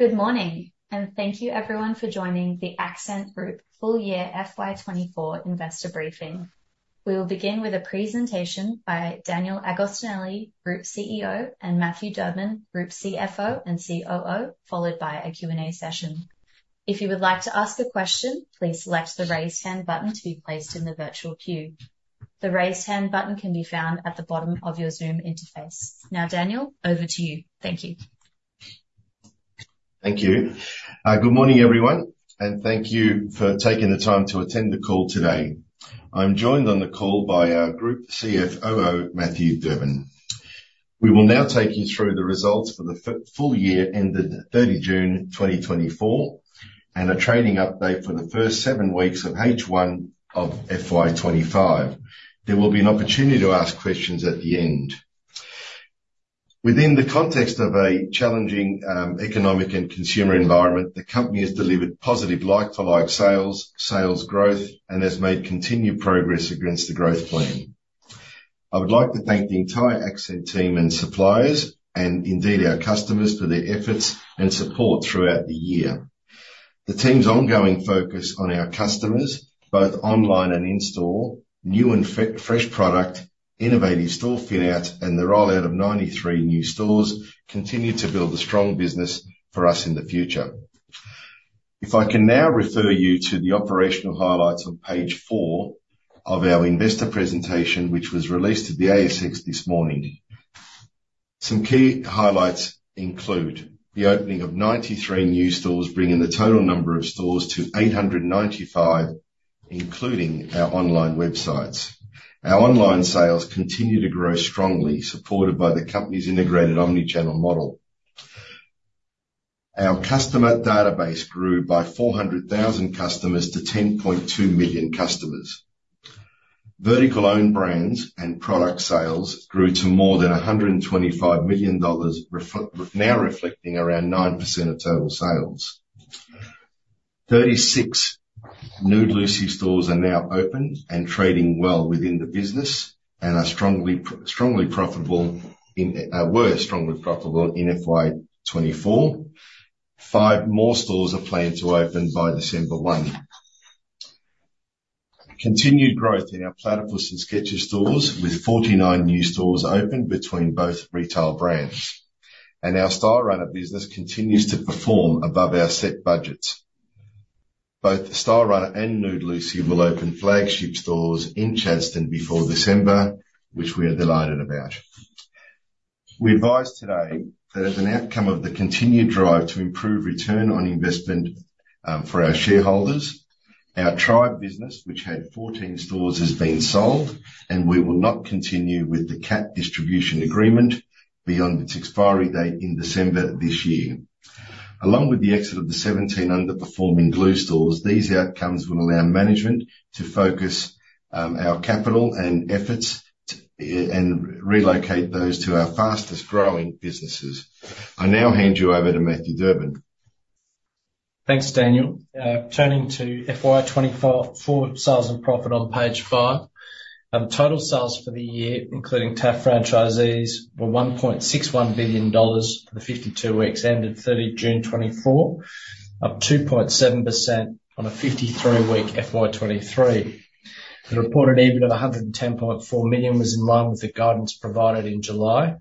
Good morning, and thank you everyone for joining the Accent Group Full Year FY 2024 Investor Briefing. We will begin with a presentation by Daniel Agostinelli, Group CEO, and Matthew Durbin, Group CFO and COO, followed by a Q&A session. If you would like to ask a question, please select the Raise Hand button to be placed in the virtual queue. The Raise Hand button can be found at the bottom of your Zoom interface. Now, Daniel, over to you. Thank you. Thank you. Good morning, everyone, and thank you for taking the time to attend the call today. I'm joined on the call by our Group CFO and COO, Matthew Durbin. We will now take you through the results for the full year ended 30 June 2024, and a trading update for the first seven weeks of H1 of FY 2025. There will be an opportunity to ask questions at the end. Within the context of a challenging economic and consumer environment, the company has delivered positive like-for-like sales, sales growth, and has made continued progress against the growth plan. I would like to thank the entire Accent team and suppliers, and indeed our customers, for their efforts and support throughout the year. The team's ongoing focus on our customers, both online and in-store, new and fresh product, innovative store rollouts, and the rollout of 93 new stores, continue to build a strong business for us in the future. If I can now refer you to the operational highlights on page four of our investor presentation, which was released to the ASX this morning. Some key highlights include: The opening of 93 new stores, bringing the total number of stores to 895, including our online websites. Our online sales continue to grow strongly, supported by the company's integrated omni-channel model. Our customer database grew by 400,000 customers to 10.2 million customers. Vertical owned brands and product sales grew to more than 125 million dollars, now reflecting around 9% of total sales. 36 Nude Lucy stores are now open and trading well within the business, and were strongly profitable in FY 2024. 5 more stores are planned to open by December 1. Continued growth in our Platypus and Skechers stores, with 49 new stores opened between both retail brands. Our Stylerunner business continues to perform above our set budgets. Both Stylerunner and Nude Lucy will open flagship stores in Chadstone before December, which we are delighted about. We advise today that as an outcome of the continued drive to improve return on investment for our shareholders, our Trybe business, which had 14 stores, has been sold, and we will not continue with the CAT distribution agreement beyond its expiry date in December this year. Along with the exit of the 17 underperforming Glue Stores, these outcomes will allow management to focus our capital and efforts and relocate those to our fastest growing businesses. I now hand you over to Matthew Durbin. Thanks, Daniel. Turning to FY 2024 sales and profit on page five. Total sales for the year, including TAF franchisees, were 1.61 billion dollars for the 52 weeks ended 30 June 2024, up 2.7% on a 53-week FY 2023. The reported EBIT of 110.4 million was in line with the guidance provided in July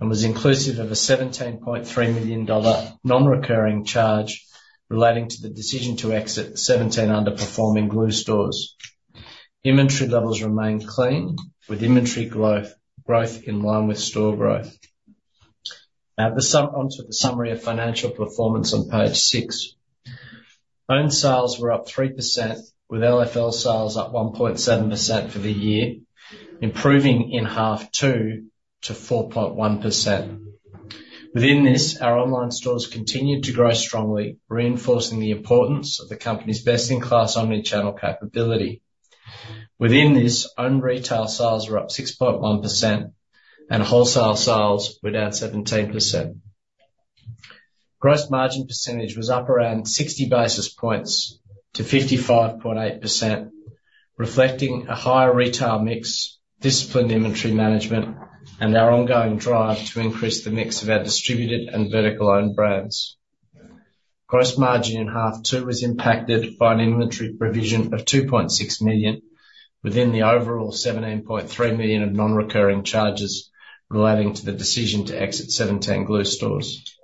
and was inclusive of a AUD 17.3 million non-recurring charge relating to the decision to exit 17 underperforming Glue Stores. Inventory levels remained clean, with inventory growth in line with store growth. Now, onto the summary of financial performance on page six. Own sales were up 3%, with LFL sales up 1.7% for the year, improving in half two to 4.1%. Within this, our online stores continued to grow strongly, reinforcing the importance of the company's best-in-class omni-channel capability. Within this, own retail sales were up 6.1%, and wholesale sales were down 17%. Gross margin percentage was up around 60 basis points to 55.8%, reflecting a higher retail mix, disciplined inventory management, and our ongoing drive to increase the mix of our distributed and vertical own brands. Gross margin in half two was impacted by an inventory provision of 2.6 million, within the overall 17.3 million of non-recurring charges relating to the decision to exit 17 Glue Stores.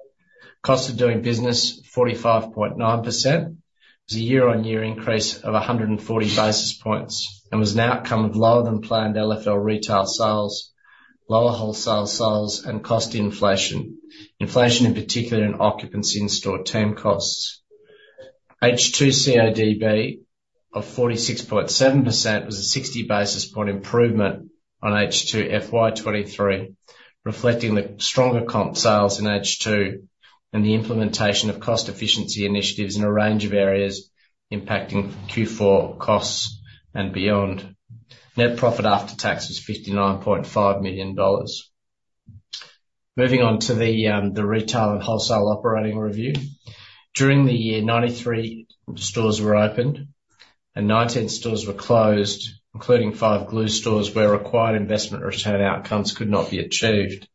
Cost of doing business, 45.9%, was a year-on-year increase of 140 basis points and was an outcome of lower than planned LFL retail sales, lower wholesale sales, and cost inflation. Inflation, in particular, in occupancy and in-store team costs. H2 CODB of 46.7% was a 60 basis point improvement on H2 FY 2023, reflecting the stronger comp sales in H2 and the implementation of cost efficiency initiatives in a range of areas impacting Q4 costs and beyond. Net profit after tax was 59.5 million dollars. Moving on to the retail and wholesale operating review. During the year, 93 stores were opened, and 19 stores were closed, including 5 Glue Stores, where required investment return outcomes could not be achieved.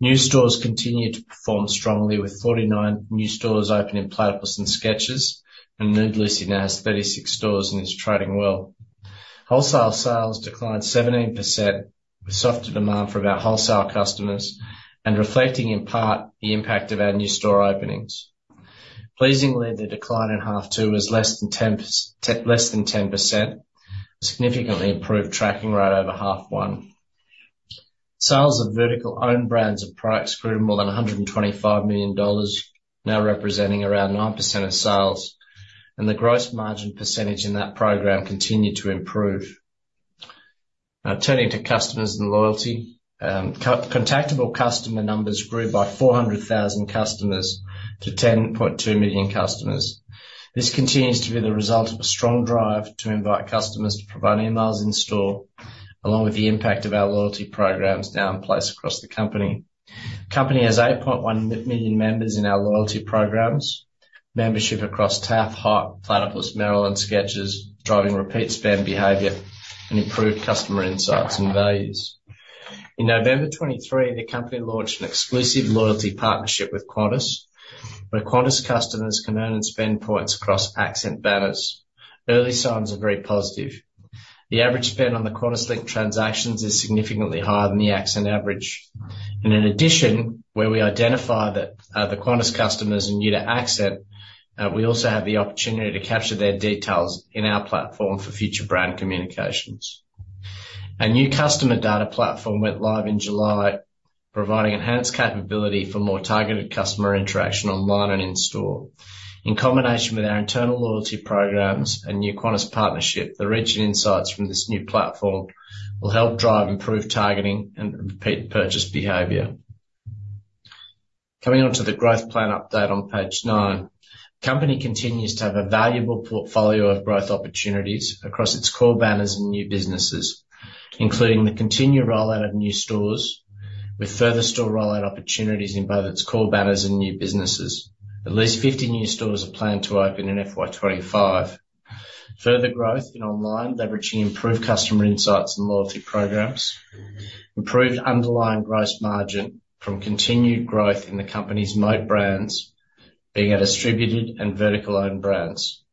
New stores continued to perform strongly, with 49 new stores open in Platypus and Skechers, and Nude Lucy now has 36 stores and is trading well. Wholesale sales declined 17%, with softer demand from our wholesale customers and reflecting, in part, the impact of our new store openings. Pleasingly, the decline in half two was less than 10%, a significantly improved tracking rate over half one. Sales of vertical own brands of products grew to more than 125 million dollars, now representing around 9% of sales, and the gross margin percentage in that program continued to improve. Now turning to customers and loyalty. Contactable customer numbers grew by 400,000 customers to 10.2 million customers. This continues to be the result of a strong drive to invite customers to provide emails in store, along with the impact of our loyalty programs now in place across the company. Company has 8.1 million members in our loyalty programs. Membership across TAF, Hype, Platypus, Merrell, Skechers, driving repeat spend behavior and improved customer insights and values. In November 2023, the company launched an exclusive loyalty partnership with Qantas, where Qantas customers can earn and spend points across Accent banners. Early signs are very positive. The average spend on the Qantas-linked transactions is significantly higher than the Accent average, and in addition, where we identify that the Qantas customers are new to Accent, we also have the opportunity to capture their details in our platform for future brand communications. Our new customer data platform went live in July, providing enhanced capability for more targeted customer interaction online and in store. In combination with our internal loyalty programs and new Qantas partnership, the rich insights from this new platform will help drive improved targeting and repeat purchase behavior. Coming on to the growth plan update on page nine. Company continues to have a valuable portfolio of growth opportunities across its core banners and new businesses, including the continued rollout of new stores, with further store rollout opportunities in both its core banners and new businesses. At least 50 new stores are planned to open in FY 2025. Further growth in online, leveraging improved customer insights and loyalty programs. Improved underlying gross margin from continued growth in the company's moat brands, being our distributed and vertical own brands.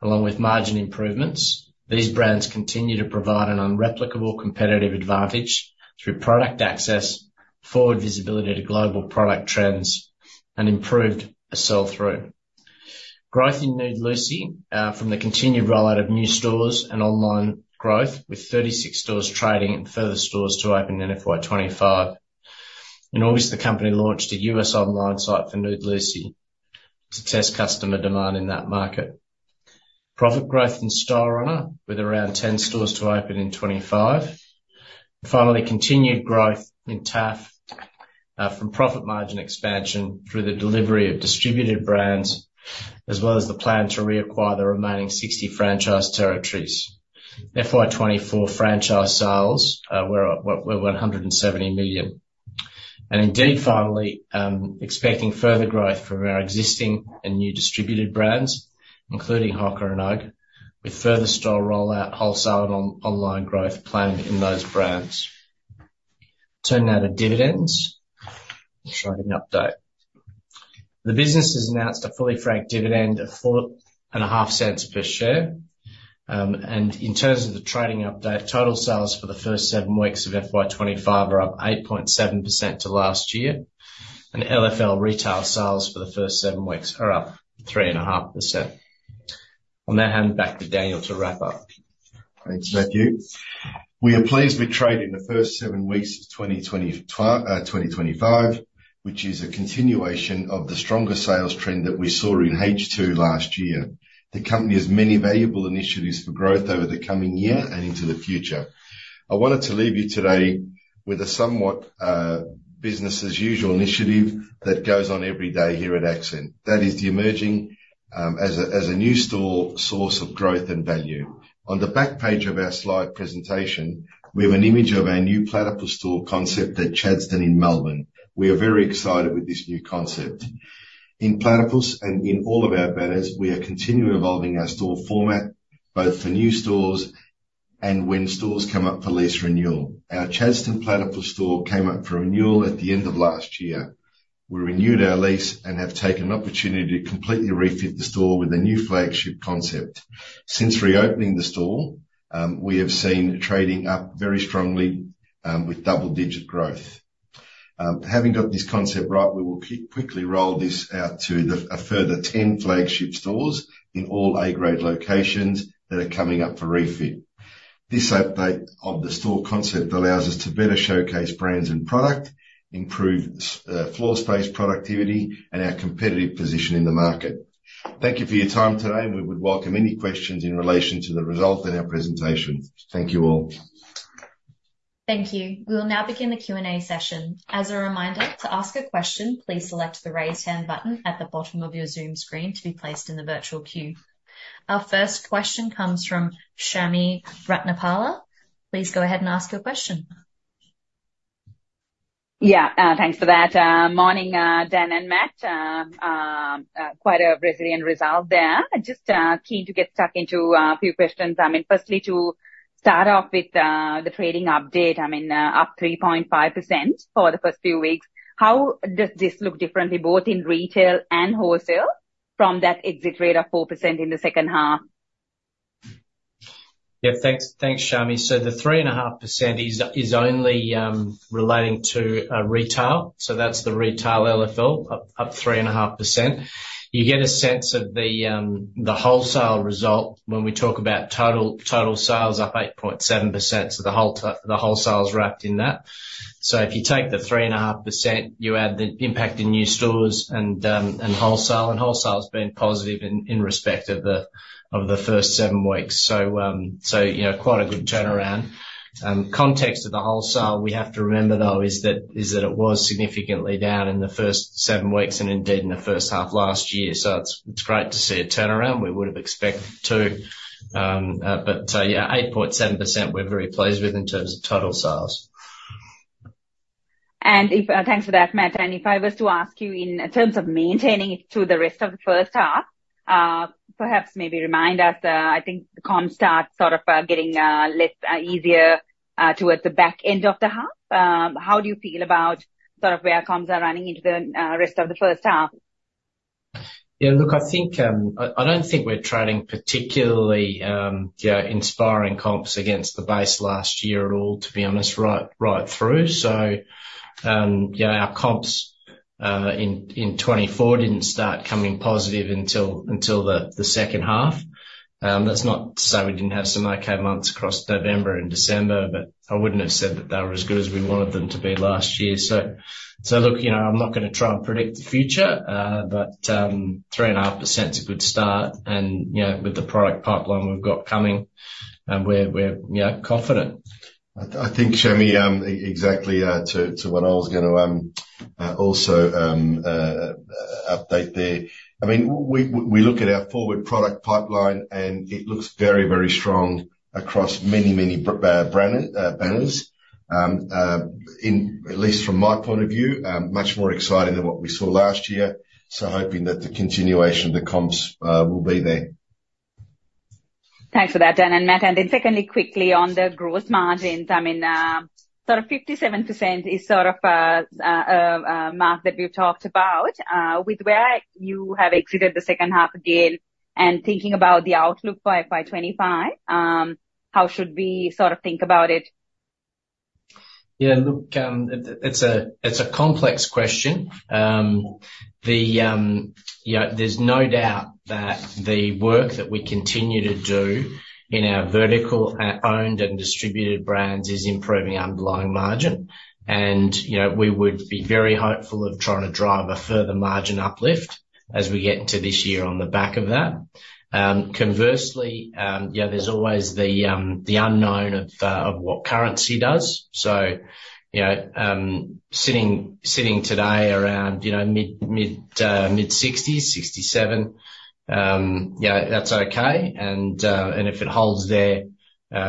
Along with margin improvements, these brands continue to provide an unreplicable competitive advantage through product access, forward visibility to global product trends, and improved sell-through. Growth in Nude Lucy from the continued rollout of new stores and online growth, with 36 stores trading and further stores to open in FY 2025. In August, the company launched a U.S. online site for Nude Lucy to test customer demand in that market. Profit growth in Stylerunner, with around 10 stores to open in 2025. Finally, continued growth in TAF from profit margin expansion through the delivery of distributed brands, as well as the plan to reacquire the remaining 60 franchise territories. FY 2024 franchise sales were at 170 million. And indeed, finally, expecting further growth from our existing and new distributed brands, including Hoka and UGG, with further store rollout, wholesale and online growth planned in those brands. Turning now to dividends. Trading update. The business has announced a fully franked dividend of 0.045 per share. In terms of the trading update, total sales for the first seven weeks of FY 2025 are up 8.7% to last year, and LFL retail sales for the first seven weeks are up 3.5%. I'll now hand back to Daniel to wrap up. Thanks, Matthew. We are pleased with trade in the first seven weeks of 2025, which is a continuation of the stronger sales trend that we saw in H2 last year. The company has many valuable initiatives for growth over the coming year and into the future. I wanted to leave you today with a somewhat business as usual initiative that goes on every day here at Accent. That is the emerging as a new store source of growth and value. On the back page of our slide presentation, we have an image of our new Platypus store concept at Chadstone in Melbourne. We are very excited with this new concept. In Platypus, and in all of our banners, we are continually evolving our store format, both for new stores and when stores come up for lease renewal. Our Chadstone Platypus store came up for renewal at the end of last year. We renewed our lease and have taken an opportunity to completely refit the store with a new flagship concept. Since reopening the store, we have seen trading up very strongly, with double-digit growth. Having got this concept right, we will quickly roll this out to a further 10 flagship stores in all A-grade locations that are coming up for refit. This update of the store concept allows us to better showcase brands and product, improve floor space productivity, and our competitive position in the market. Thank you for your time today, and we would welcome any questions in relation to the result and our presentation. Thank you all. Thank you. We will now begin the Q&A session. As a reminder, to ask a question, please select the Raise Hand button at the bottom of your Zoom screen to be placed in the virtual queue. Our first question comes from Chami Ratnapala. Please go ahead and ask your question.... Yeah, thanks for that. Morning, Dan and Matt. Quite a resilient result there. Just keen to get stuck into a few questions. I mean, firstly, to start off with, the trading update, I mean, up 3.5% for the first few weeks. How does this look differently, both in retail and wholesale, from that exit rate of 4% in the second half? Yeah, thanks. Thanks, Chami. So the 3.5% is only relating to retail, so that's the retail LFL, up 3.5%. You get a sense of the wholesale result when we talk about total sales up 8.7%. So the wholesale's wrapped in that. So if you take the 3.5%, you add the impact in new stores and wholesale, and wholesale's been positive in respect of the first seven weeks. So you know, quite a good turnaround. Context of the wholesale, we have to remember, though, is that it was significantly down in the first seven weeks and indeed in the first half last year. So it's great to see a turnaround. We would've expected to. Yeah, 8.7%, we're very pleased with in terms of total sales. Thanks for that, Matt. And if I was to ask you in terms of maintaining it through the rest of the first half, perhaps, maybe remind us, I think the comps start sort of getting less easier towards the back end of the half. How do you feel about sort of where comps are running into the rest of the first half? Yeah, look, I think I don't think we're trading particularly, you know, inspiring comps against the base last year at all, to be honest, right through. So, yeah, our comps in 2024 didn't start coming positive until the second half. That's not to say we didn't have some okay months across November and December, but I wouldn't have said that they were as good as we wanted them to be last year. So, look, you know, I'm not gonna try and predict the future, but 3.5%'s a good start, and, you know, with the product pipeline we've got coming, we're, you know, confident. I think, Chami, exactly to what I was gonna also update there. I mean, we look at our forward product pipeline, and it looks very, very strong across many, many brand banners. In at least from my point of view, much more exciting than what we saw last year. So hoping that the continuation of the comps will be there. Thanks for that, Dan and Matt. Then secondly, quickly on the gross margins, I mean, sort of 57% is sort of a mark that we've talked about. With where you have exited the second half again and thinking about the outlook by FY 2025, how should we sort of think about it? Yeah, look, it's a complex question. You know, there's no doubt that the work that we continue to do in our vertical owned and distributed brands is improving underlying margin. And, you know, we would be very hopeful of trying to drive a further margin uplift as we get into this year on the back of that. Conversely, yeah, there's always the unknown of what currency does. So, you know, sitting today around, you know, mid-60s, 67, yeah, that's okay. And if it holds there,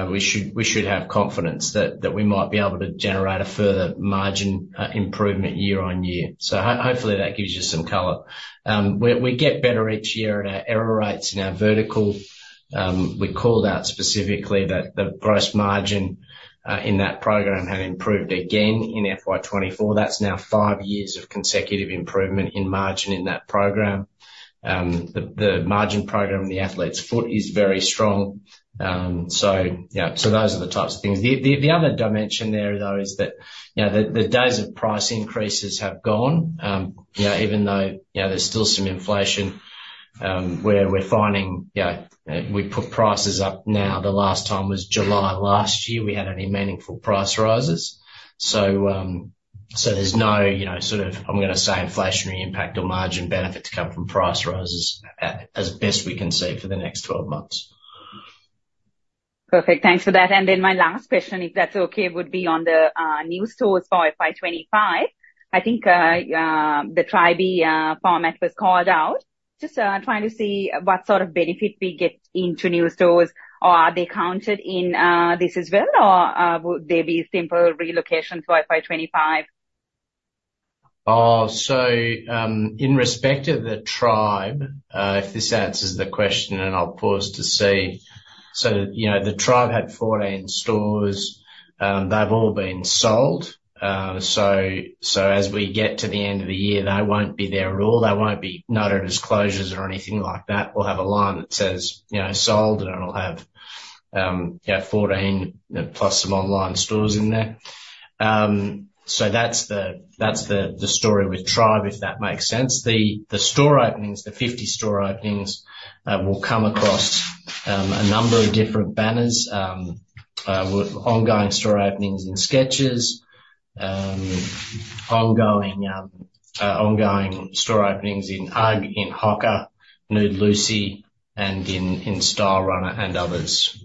we should have confidence that we might be able to generate a further margin improvement year on year. So hopefully, that gives you some color. We get better each year at our error rates in our vertical. We called out specifically that the gross margin in that program had improved again in FY 2024. That's now five years of consecutive improvement in margin in that program. The margin program in The Athlete's Foot is very strong. So yeah, so those are the types of things. The other dimension there, though, is that, you know, the days of price increases have gone. You know, even though, you know, there's still some inflation, where we're finding. You know, we put prices up now. The last time was July last year, we had any meaningful price rises. There's no, you know, sort of, I'm gonna say, inflationary impact or margin benefit to come from price rises as best we can see for the next 12 months. Perfect. Thanks for that. And then my last question, if that's okay, would be on the new stores for FY 2025. I think the Trybe format was called out. Just trying to see what sort of benefit we get into new stores, or are they counted in this as well, or would they be simple relocations for FY 2025? So, in respect of the Trybe, if this answers the question, and I'll pause to see. So, you know, the Trybe had 14 stores. They've all been sold. So, as we get to the end of the year, they won't be there at all. They won't be noted as closures or anything like that. We'll have a line that says, you know, "Sold," and it'll have, yeah, 14, plus some online stores in there. So that's the story with Trybe, if that makes sense. The store openings, the 50 store openings, will come across a number of different banners. With ongoing store openings in Skechers, ongoing store openings in UGG, in Hoka, Nude Lucy, and in Stylerunner and others.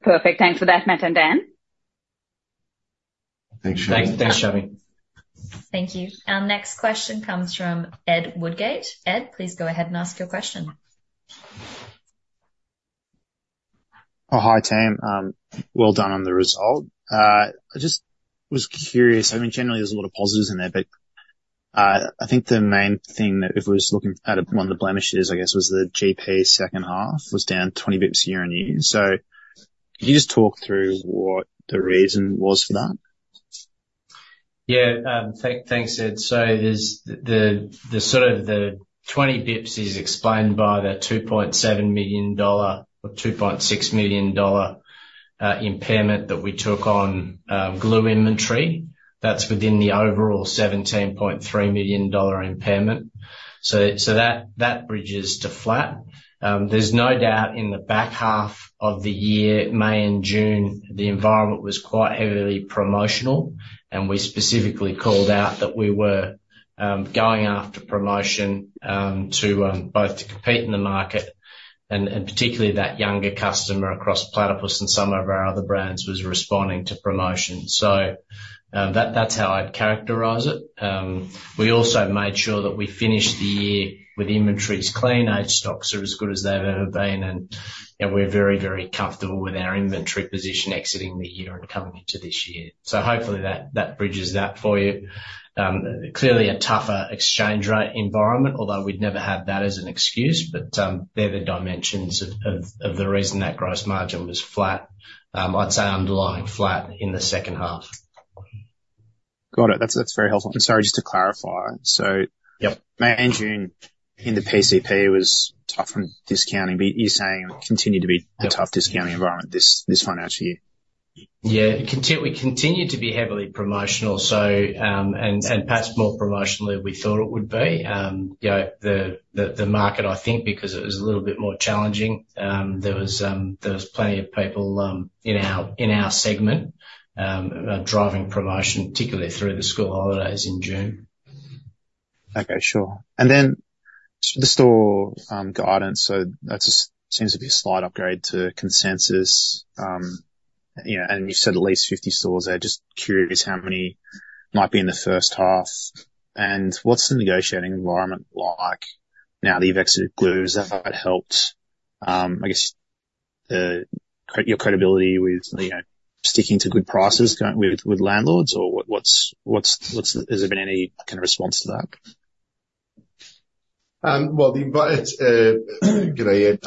Perfect. Thanks for that, Matt and Dan. Thanks, Chami. Thanks, Chami. Thank you. Our next question comes from Ed Woodgate. Ed, please go ahead and ask your question.... Oh, hi, team. Well done on the result. I just was curious, I mean, generally, there's a lot of positives in there, but, I think the main thing that if we was looking at one of the blemishes, I guess, was the GP second half was down 20 basis points year on year. So can you just talk through what the reason was for that? Yeah, thanks, Ed. There's the sort of 20 basis points is explained by that 2.7 million dollar or 2.6 million dollar impairment that we took on Glue inventory. That's within the overall 17.3 million dollar impairment. So that bridges to flat. There's no doubt in the back half of the year, May and June, the environment was quite heavily promotional, and we specifically called out that we were going after promotion to both to compete in the market, and particularly that younger customer across Platypus and some of our other brands was responding to promotions. So that's how I'd characterize it. We also made sure that we finished the year with inventories clean. Aged stocks are as good as they've ever been, and we're very, very comfortable with our inventory position exiting the year and coming into this year. So hopefully that bridges that for you. Clearly a tougher exchange rate environment, although we'd never have that as an excuse, but they're the dimensions of the reason that gross margin was flat. I'd say underlying flat in the second half. Got it. That's, that's very helpful, and sorry, just to clarify, so- Yep. May and June in the PCP was tough on discounting, but you're saying it will continue to be a tough discounting environment this, this financial year? Yeah. We continued to be heavily promotional, so, and perhaps more promotional than we thought it would be. You know, the market, I think, because it was a little bit more challenging, there was plenty of people in our segment driving promotion, particularly through the school holidays in June. Okay, sure. And then the store guidance, so that's just seems to be a slight upgrade to consensus. You know, and you said at least 50 stores there. Just curious how many might be in the first half, and what's the negotiating environment like now that you've exited Glue Store? Has that helped, I guess, your credibility with, you know, sticking to good prices with landlords, or what, what's has there been any kind of response to that? Well, good day, Ed.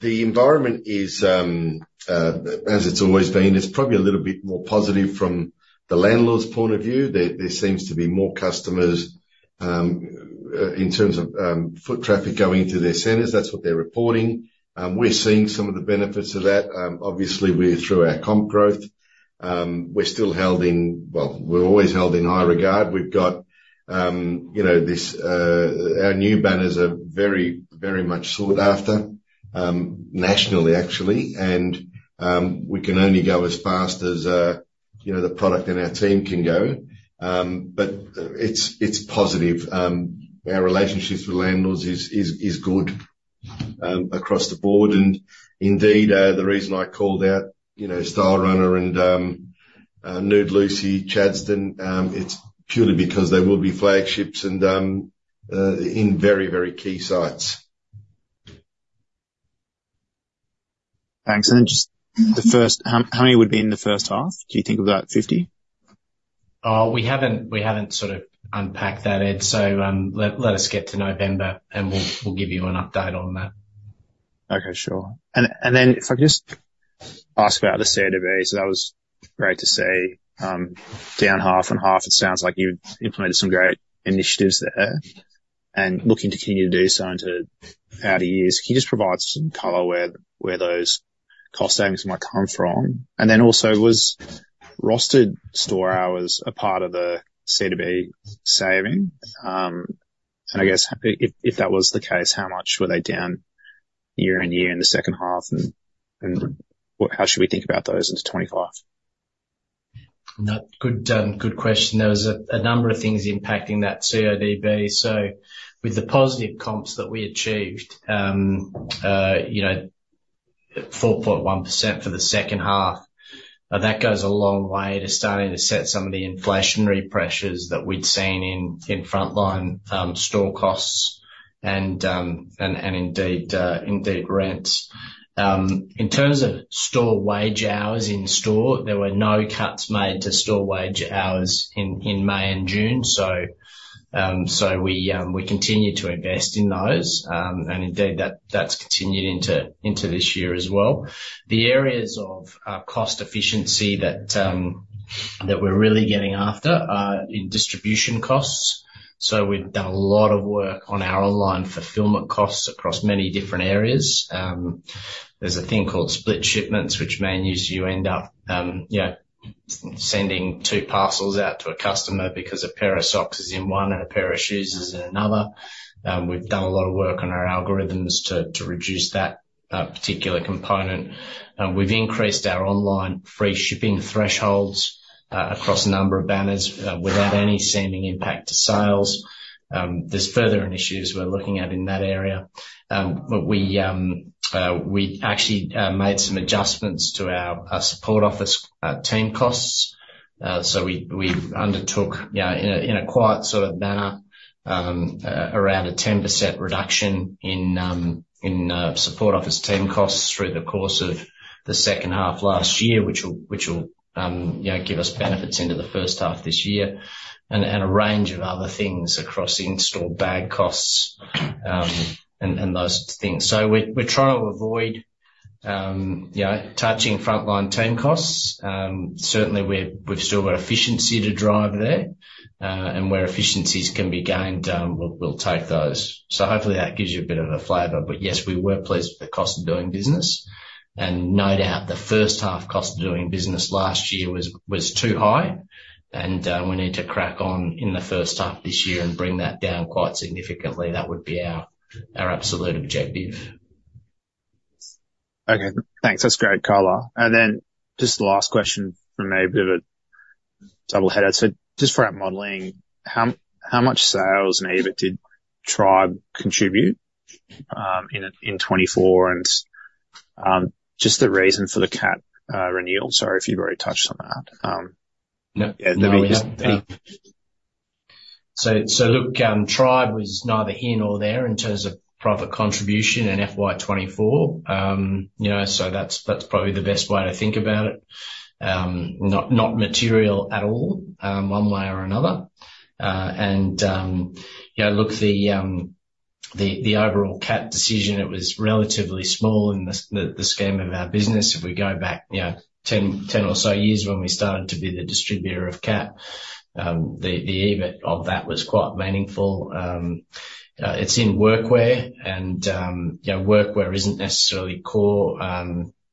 The environment is, as it's always been, it's probably a little bit more positive from the landlord's point of view. There seems to be more customers in terms of foot traffic going into their centers. That's what they're reporting. We're seeing some of the benefits of that, obviously with through our comp growth. Well, we're always held in high regard. We've got, you know, this, our new banners are very, very much sought after, nationally, actually, and, we can only go as fast as, you know, the product and our team can go. But it's positive. Our relationships with landlords is good across the board, and indeed, the reason I called out, you know, Stylerunner and Nude Lucy Chadstone, it's purely because they will be flagships and in very, very key sites. Thanks. And then just the first. How many would be in the first half? Do you think about 50? We haven't sort of unpacked that, Ed, so let us get to November, and we'll give you an update on that. Okay, sure. And then if I could just ask about the CODB. So that was great to see, down half and half. It sounds like you've implemented some great initiatives there and looking to continue to do so and into out years. Can you just provide some color where those cost savings might come from? And then also, was rostered store hours a part of the CODB saving? And I guess, if that was the case, how much were they down year on year in the second half, and what, how should we think about those into 2025? No, good, good question. There was a number of things impacting that CODB. So with the positive comps that we achieved, you know, 4.1% for the second half, that goes a long way to starting to set some of the inflationary pressures that we'd seen in, in frontline, store costs and, and indeed, rents. In terms of store wage hours in store, there were no cuts made to store wage hours in May and June. So, so we, we continued to invest in those, and indeed, that's continued into this year as well. The areas of cost efficiency that we're really getting after are in distribution costs. So we've done a lot of work on our online fulfillment costs across many different areas. There's a thing called split shipments, which means you end up, you know, sending two parcels out to a customer because a pair of socks is in one and a pair of shoes is in another. We've done a lot of work on our algorithms to reduce that particular component. We've increased our online free shipping thresholds across a number of banners without any seeming impact to sales. There's further initiatives we're looking at in that area. But we actually made some adjustments to our support office team costs. So we, we've undertook in a quiet sort of manner around a 10% reduction in support office team costs through the course of the second half last year, which will you know give us benefits into the first half this year, and a range of other things across in-store bag costs and those things. We're trying to avoid you know touching frontline team costs. Certainly we've still got efficiency to drive there, and where efficiencies can be gained we'll take those. Hopefully that gives you a bit of a flavor. But yes, we were pleased with the cost of doing business, and no doubt the first half cost of doing business last year was too high. We need to crack on in the first half this year and bring that down quite significantly. That would be our absolute objective. Okay, thanks. That's great color. And then just the last question from me, a bit of a double header. So just for our modeling, how much sales and EBIT did Trybe contribute in 2024? And just the reason for the CAT renewal. Sorry if you've already touched on that. No, no. Yeah. So, look, Trybe was neither here nor there in terms of profit contribution in FY 2024. You know, so that's probably the best way to think about it. Not material at all, one way or another. And, you know, look, the overall CAT decision, it was relatively small in the scheme of our business. If we go back, you know, ten or so years when we started to be the distributor of CAT, the EBIT of that was quite meaningful. It's in workwear and, you know, workwear isn't necessarily core.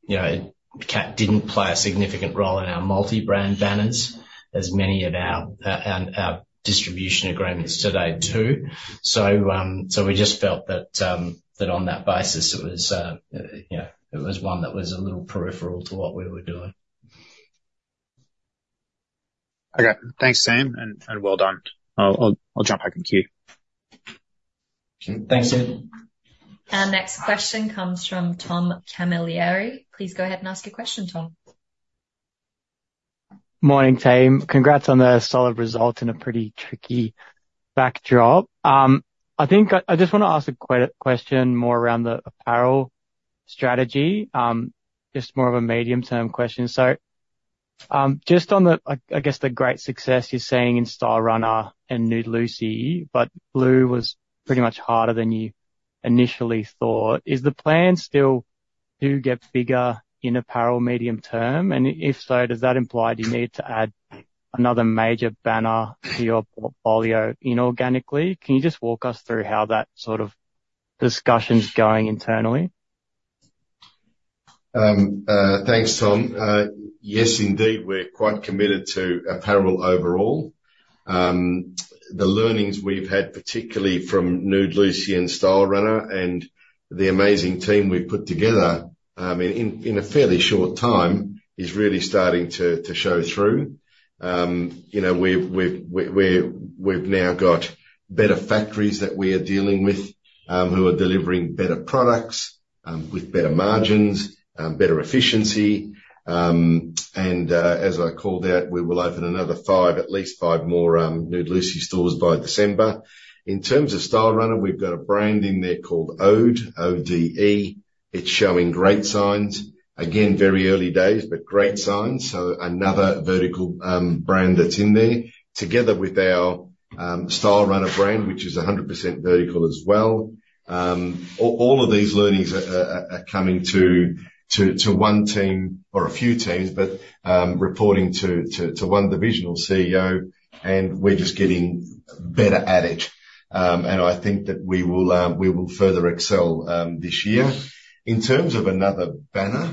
You know, CAT didn't play a significant role in our multi-brand banners, as many of our distribution agreements today do. We just felt that on that basis, it was, you know, it was one that was a little peripheral to what we were doing. Okay. Thanks, team, and well done. I'll jump back in queue. Thanks, Ed. Our next question comes from Tom Camilleri. Please go ahead and ask your question, Tom. Morning, team. Congrats on the solid result in a pretty tricky backdrop. I think I just want to ask a question more around the apparel strategy, just more of a medium-term question. So, just on the, I guess, the great success you're seeing in Stylerunner and Nude Lucy, but Glue was pretty much harder than you initially thought. Is the plan still to get bigger in apparel medium term? And if so, does that imply you need to add another major banner to your portfolio inorganically? Can you just walk us through how that sort of discussion's going internally? Thanks, Tom. Yes, indeed, we're quite committed to apparel overall. The learnings we've had, particularly from Nude Lucy and Stylerunner, and the amazing team we've put together, in a fairly short time, is really starting to show through. You know, we've now got better factories that we are dealing with, who are delivering better products, with better margins, better efficiency. And as I called out, we will open another five, at least five more, Nude Lucy stores by December. In terms of Stylerunner, we've got a brand in there called Ode, O-D-E. It's showing great signs. Again, very early days, but great signs, so another vertical brand that's in there, together with our Stylerunner brand, which is 100% vertical as well. All of these learnings are coming to one team or a few teams, but reporting to one divisional CEO, and we're just getting better at it. And I think that we will further excel this year. In terms of another banner,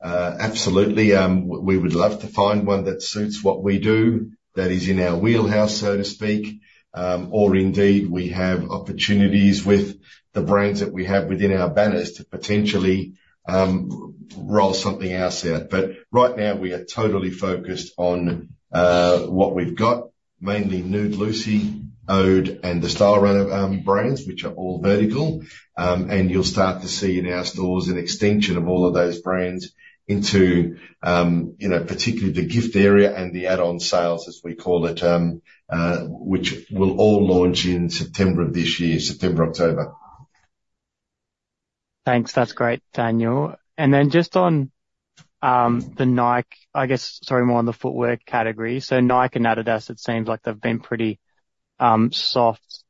absolutely, we would love to find one that suits what we do, that is in our wheelhouse, so to speak. Or indeed, we have opportunities with the brands that we have within our banners to potentially roll something else out. But right now, we are totally focused on what we've got, mainly Nude Lucy, Ode, and the Stylerunner brands, which are all vertical. And you'll start to see in our stores an extension of all of those brands into, you know, particularly the gift area and the add-on sales, as we call it, which will all launch in September of this year, September, October. Thanks. That's great, Daniel. And then just on the Nike, I guess, sorry, more on the footwear category. So Nike and Adidas, it seems like they've been pretty soft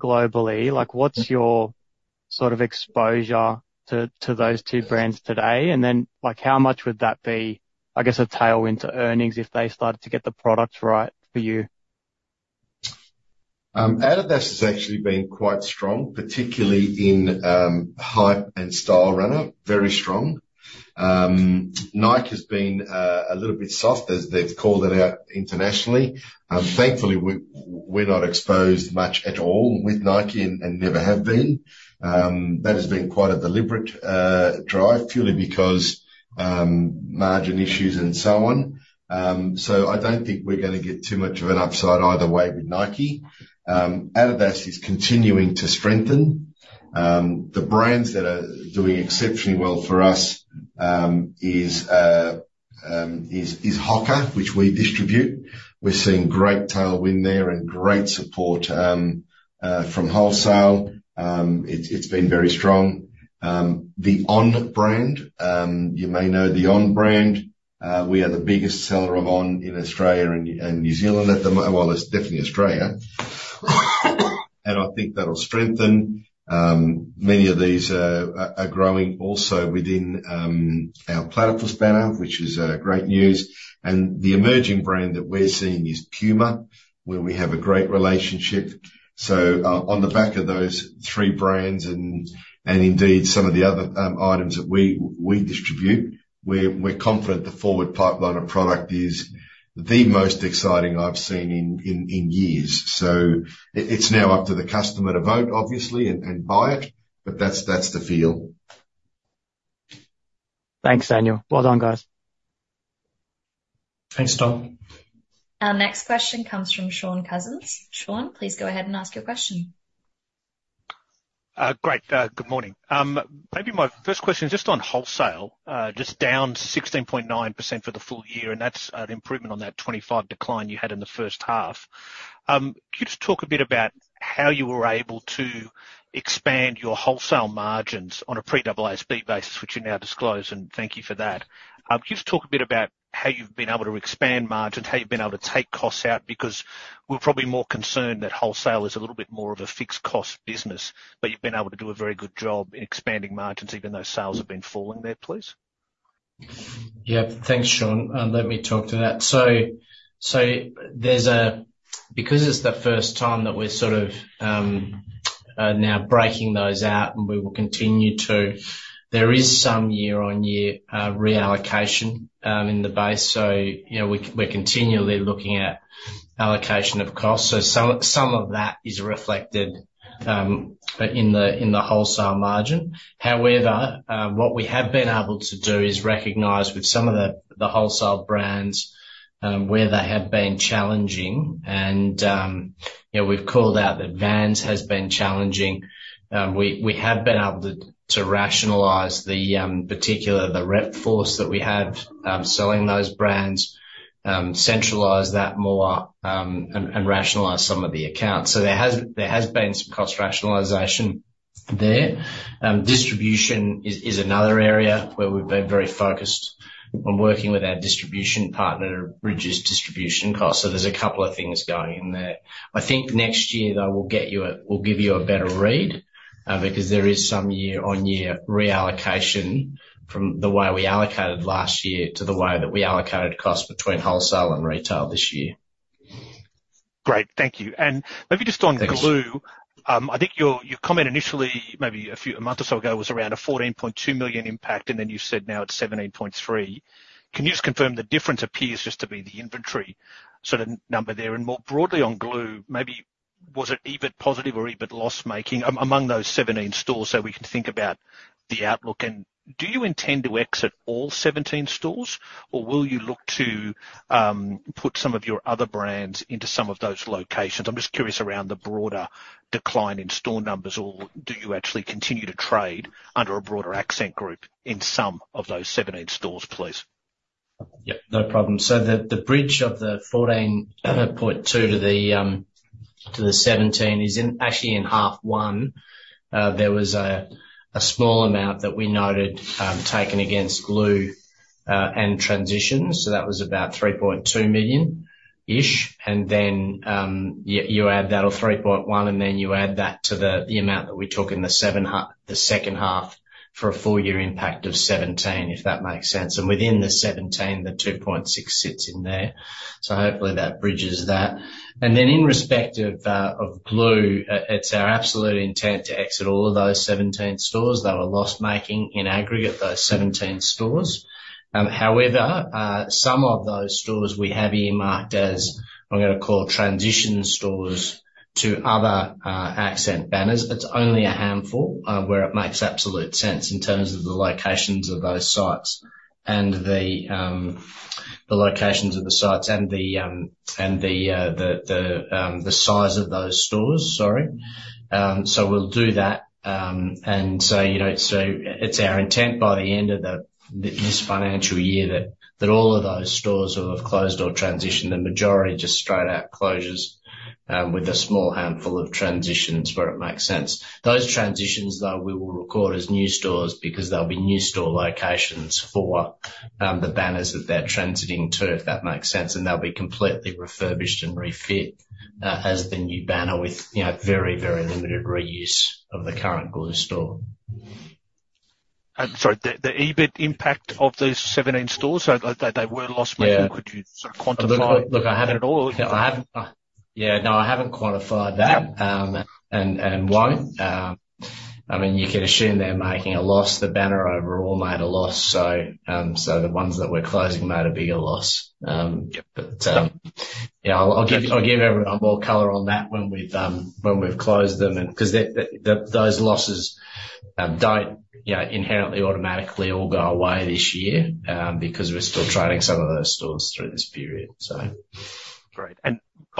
globally. Like, what's your sort of exposure to those two brands today? And then, like, how much would that be, I guess, a tailwind to earnings if they started to get the products right for you? Adidas has actually been quite strong, particularly in Hype and Stylerunner, very strong. Nike has been a little bit soft, as they've called it out internationally. Thankfully, we're not exposed much at all with Nike and never have been. That has been quite a deliberate drive, purely because margin issues and so on. So I don't think we're gonna get too much of an upside either way with Nike. Adidas is continuing to strengthen. The brands that are doing exceptionally well for us is Hoka, which we distribute. We're seeing great tailwind there and great support from wholesale. It's been very strong. The On brand, you may know the On brand. We are the biggest seller of On in Australia and New Zealand at the moment. Well, it's definitely Australia. I think that'll strengthen. Many of these are growing also within our Platypus banner, which is great news. The emerging brand that we're seeing is Puma, where we have a great relationship. On the back of those three brands and indeed some of the other items that we distribute, we're confident the forward pipeline of product is the most exciting I've seen in years. It's now up to the customer to vote, obviously, and buy it, but that's the feel. Thanks, Daniel. Well done, guys. Thanks, Tom. Our next question comes from Shaun Cousins. Shaun, please go ahead and ask your question. Great. Good morning. Maybe my first question is just on wholesale, just down 16.9% for the full year, and that's an improvement on that 25% decline you had in the first half. Could you just talk a bit about how you were able to expand your wholesale margins on a pre-AASB basis, which you now disclose, and thank you for that. Could you just talk a bit about how you've been able to expand margins, how you've been able to take costs out? Because we're probably more concerned that wholesale is a little bit more of a fixed cost business, but you've been able to do a very good job in expanding margins even though sales have been falling there, please. Yeah. Thanks, Shaun, let me talk to that. So there's a-- Because it's the first time that we're sort of now breaking those out, and we will continue to, there is some year-on-year reallocation in the base. So you know, we're continually looking at allocation of costs. So some of that is reflected but in the wholesale margin. However, what we have been able to do is recognize with some of the wholesale brands where they have been challenging. And you know, we've called out that Vans has been challenging. We have been able to rationalize the particular rep force that we have selling those brands. Centralize that more and rationalize some of the accounts. So there has been some cost rationalization there. Distribution is another area where we've been very focused on working with our distribution partner to reduce distribution costs. So there's a couple of things going on there. I think next year, though, we'll give you a better read, because there is some year-on-year reallocation from the way we allocated last year to the way that we allocated costs between wholesale and retail this year. Great. Thank you. Thanks. Maybe just on Glue. I think your comment initially, maybe a few months or so ago, was around 14.2 million impact, and then you've said now it's 17.3 million. Can you just confirm the difference appears just to be the inventory sort of number there? And more broadly on Glue, maybe was it EBIT positive or EBIT loss-making among those 17 stores so we can think about the outlook? And do you intend to exit all 17 stores, or will you look to put some of your other brands into some of those locations? I'm just curious around the broader decline in store numbers, or do you actually continue to trade under a broader Accent Group in some of those 17 stores, please? Yep, no problem. So the bridge of the 14.2 million to the 17 million is in, actually in half one. There was a small amount that we noted, taken against Glue, and transitions. So that was about 3.2 million-ish. And then, you add that or 3.1 million, and then you add that to the amount that we took in the second half, for a full year impact of 17 million, if that makes sense. And within the 17 million, the 2.6 million sits in there. So hopefully that bridges that. And then in respect of Glue, it's our absolute intent to exit all of those 17 stores. They were loss-making in aggregate, those 17 stores. However, some of those stores we have earmarked as, I'm gonna call, transition stores to other Accent banners. It's only a handful where it makes absolute sense in terms of the locations of those sites and the size of those stores. Sorry. So we'll do that, and so, you know, it's our intent by the end of this financial year that all of those stores will have closed or transitioned. The majority, just straight out closures, with a small handful of transitions where it makes sense. Those transitions, though, we will record as new stores because they'll be new store locations for the banners that they're transiting to, if that makes sense, and they'll be completely refurbished and refit as the new banner with, you know, very, very limited reuse of the current Glue Store. Sorry, the EBIT impact of those 17 stores, so they were loss-making. Yeah. Could you sort of quantify- Look, I haven't- -at all? Yeah, no, I haven't quantified that. Yeah. And won't. I mean, you can assume they're making a loss. The banner overall made a loss, so the ones that we're closing made a bigger loss. But yeah, I'll give more color on that when we've closed them and... 'Cause those losses don't, you know, inherently, automatically all go away this year, because we're still trading some of those stores through this period, so.... Great. And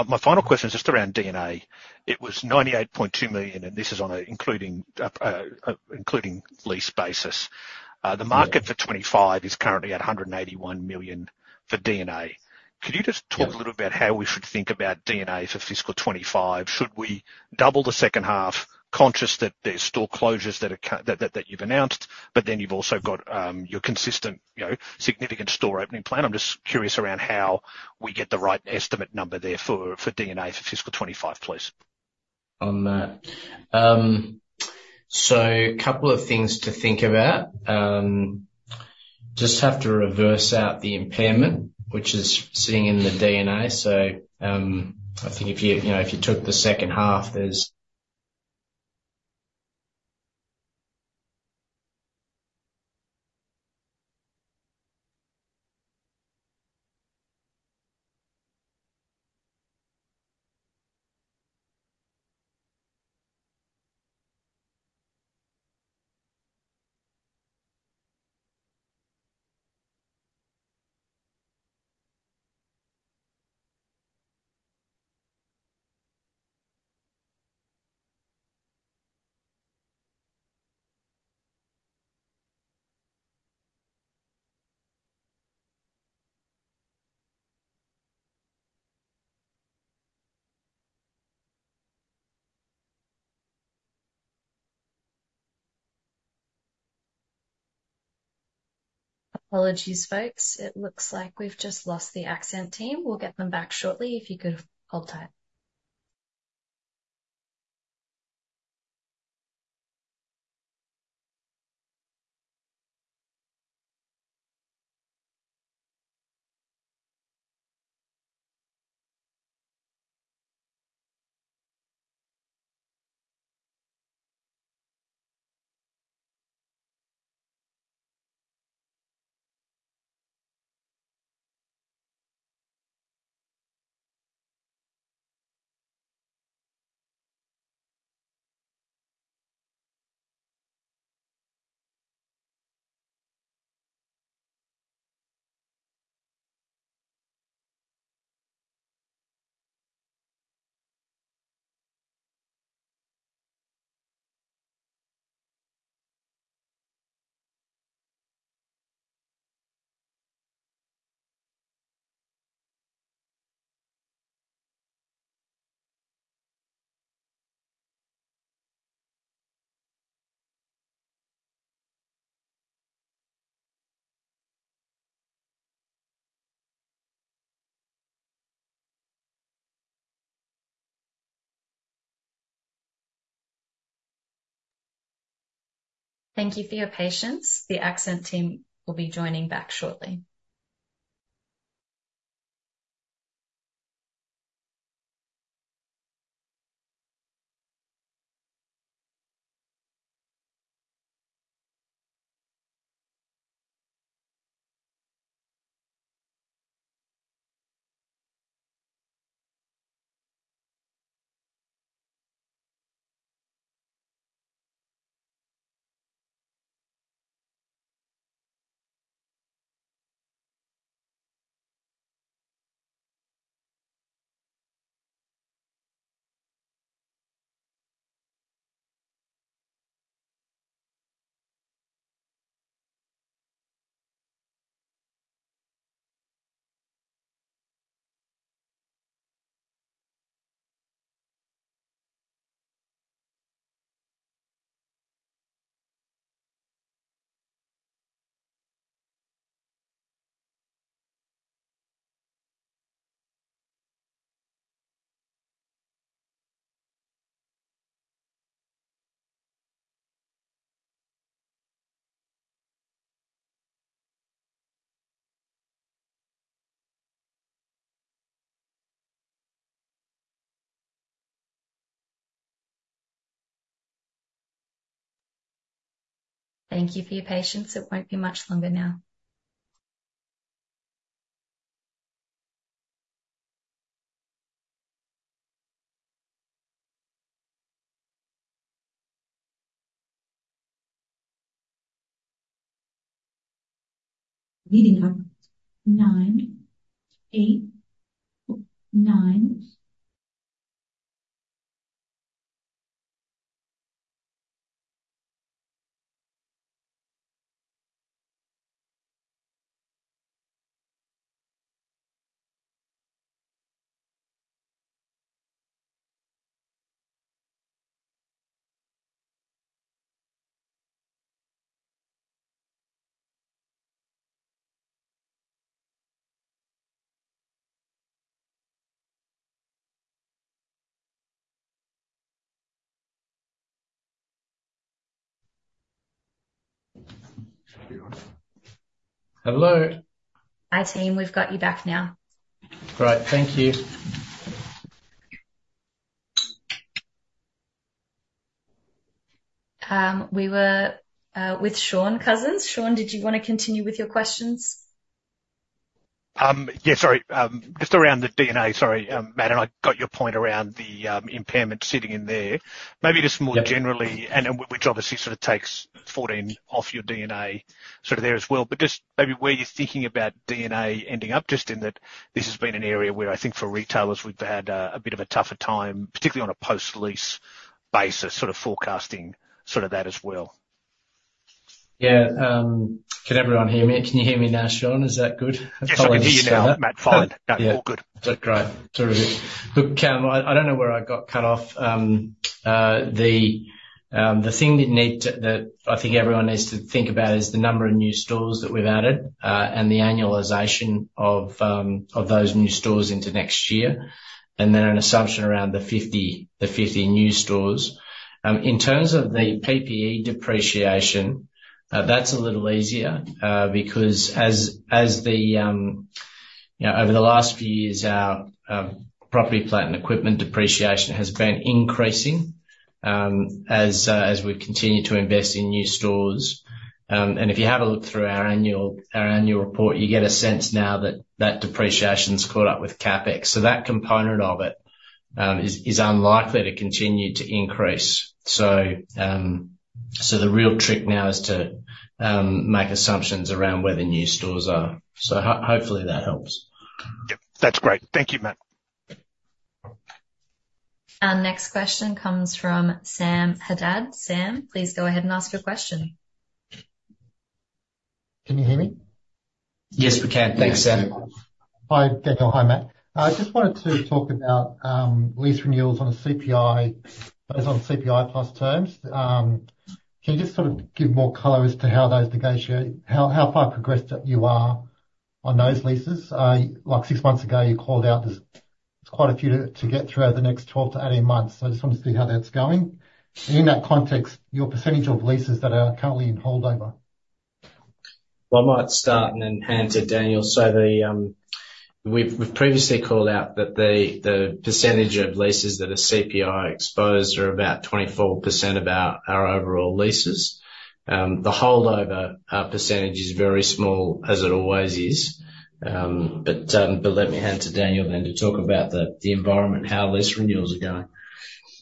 my final question is just around D&A. It was 98.2 million, and this is on a including lease basis. The market for 2025 is currently at 181 million for D&A. Could you just talk a little bit how we should think about D&A for fiscal 2025? Should we double the second half, conscious that there's store closures that you've announced, but then you've also got your consistent, you know, significant store opening plan. I'm just curious around how we get the right estimate number there for D&A for fiscal 2025, please. On that. So couple of things to think about. Just have to reverse out the impairment, which is sitting in the D&A. So, I think if you, you know, if you took the second half, there's- Apologies, folks. It looks like we've just lost the Accent team. We'll get them back shortly, if you could hold tight. Thank you for your patience. The Accent team will be joining back shortly. Thank you for your patience. It won't be much longer now. Meeting up. Nine, eight, nine. Hello? Hi, team. We've got you back now. Great. Thank you. We were with Shaun Cousins. Shaun, did you want to continue with your questions? ... Yeah, sorry. Just around the D&A. Sorry, Matt, and I got your point around the impairment sitting in there. Maybe just more generally- Yeah. - and then, which obviously sort of takes 14 off your D&A, sort of there as well. But just maybe where you're thinking about D&A ending up, just in that this has been an area where I think for retailers, we've had a bit of a tougher time, particularly on a post-lease basis, sort of forecasting sort of that as well. Yeah, can everyone hear me? Can you hear me now, Shaun? Is that good? Yes, I can hear you now, Matt, fine. Yeah. All good. Great. Terrific. Look, Shaun, I don't know where I got cut off. The thing you need to-- that I think everyone needs to think about is the number of new stores that we've added, and the annualization of those new stores into next year, and then an assumption around the 50 new stores. In terms of the PPE depreciation, that's a little easier, because you know, over the last few years, our property plant and equipment depreciation has been increasing, as we continue to invest in new stores. And if you have a look through our annual report, you get a sense now that that depreciation's caught up with CapEx. So that component of it is unlikely to continue to increase. The real trick now is to make assumptions around where the new stores are. Hopefully that helps. Yep, that's great. Thank you, Matt. Our next question comes from Sam Haddad. Sam, please go ahead and ask your question. Can you hear me? Yes, we can. Thanks, Sam. Hi, Daniel. Hi, Matt. I just wanted to talk about lease renewals on a CPI, based on CPI plus terms. Can you just sort of give more color as to how those negotiations, how far progressed that you are on those leases? Like six months ago, you called out there's quite a few to get through over the next 12 to 18 months. So I just wanted to see how that's going. In that context, your percentage of leases that are currently in holdover. I might start and then hand to Daniel. We've previously called out that the percentage of leases that are CPI exposed are about 24% of our overall leases. The holdover percentage is very small, as it always is. But let me hand to Daniel then to talk about the environment, how lease renewals are going.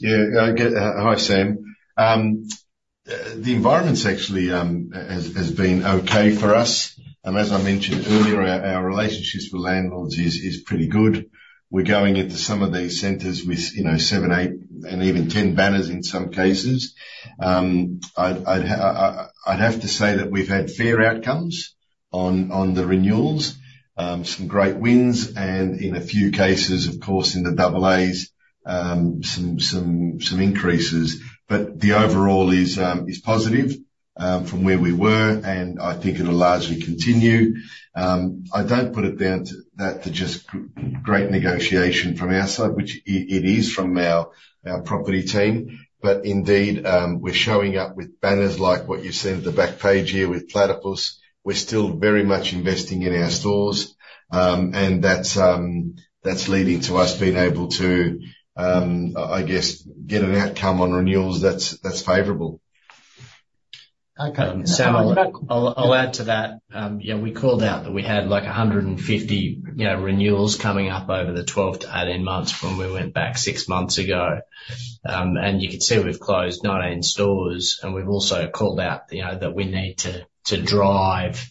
Yeah, I get... hi, Sam. The environment's actually has been okay for us. And as I mentioned earlier, our relationships with landlords is pretty good. We're going into some of these centers with, you know, seven, eight, and even 10 banners in some cases. I'd have to say that we've had fair outcomes on the renewals. Some great wins, and in a few cases, of course, in the Double A's, some increases. But the overall is positive from where we were, and I think it'll largely continue. I don't put it down to that, to just great negotiation from our side, which it is from our property team. But indeed, we're showing up with banners like what you see at the back page here with Platypus. We're still very much investing in our stores, and that's leading to us being able to, I guess, get an outcome on renewals that's favorable. Okay. Sam, I'll add to that. Yeah, we called out that we had, like, a hundred and fifty, you know, renewals coming up over the 12 to 18 months when we went back six months ago. And you can see we've closed 19 stores, and we've also called out, you know, that we need to drive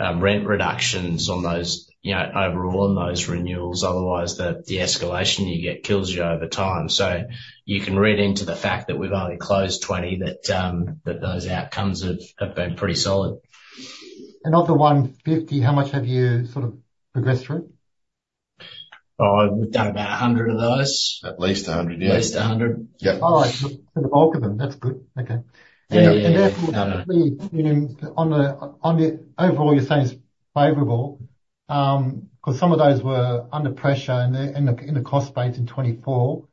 rent reductions on those, you know, overall on those renewals, otherwise, the escalation you get kills you over time. So you can read into the fact that we've only closed twenty, that those outcomes have been pretty solid. Of the 150, how much have you sort of progressed through? We've done about a hundred of those. At least a hundred, yeah. At least a hundred. Yep. All right. So the bulk of them. That's good. Okay. Yeah, yeah, yeah. Therefore, you know, on the overall, you're saying it's favorable, 'cause some of those were under pressure in the cost base in 2024.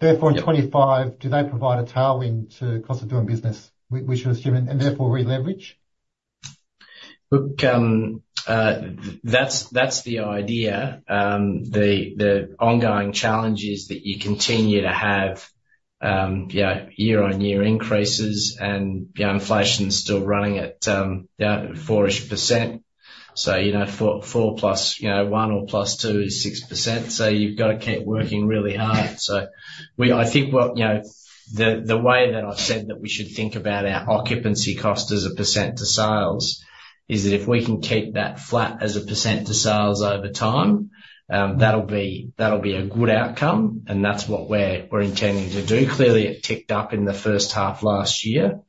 Yeah. Therefore, in 2025, do they provide a tailwind to cost of doing business, which you're assuming, and therefore re-leverage? Look, that's the idea. The ongoing challenge is that you continue to have, you know, year-on-year increases, and, you know, inflation's still running at, about 4-ish percent. So, you know, 4%, 4% plus, you know, 1% or plus 2% is 6%. So you've got to keep working really hard. So I think what, you know, the way that I've said that we should think about our occupancy cost as a percent to sales, is that if we can keep that flat as a percent to sales over time, that'll be, that'll be a good outcome, and that's what we're intending to do. Clearly, it ticked up in the first half last year,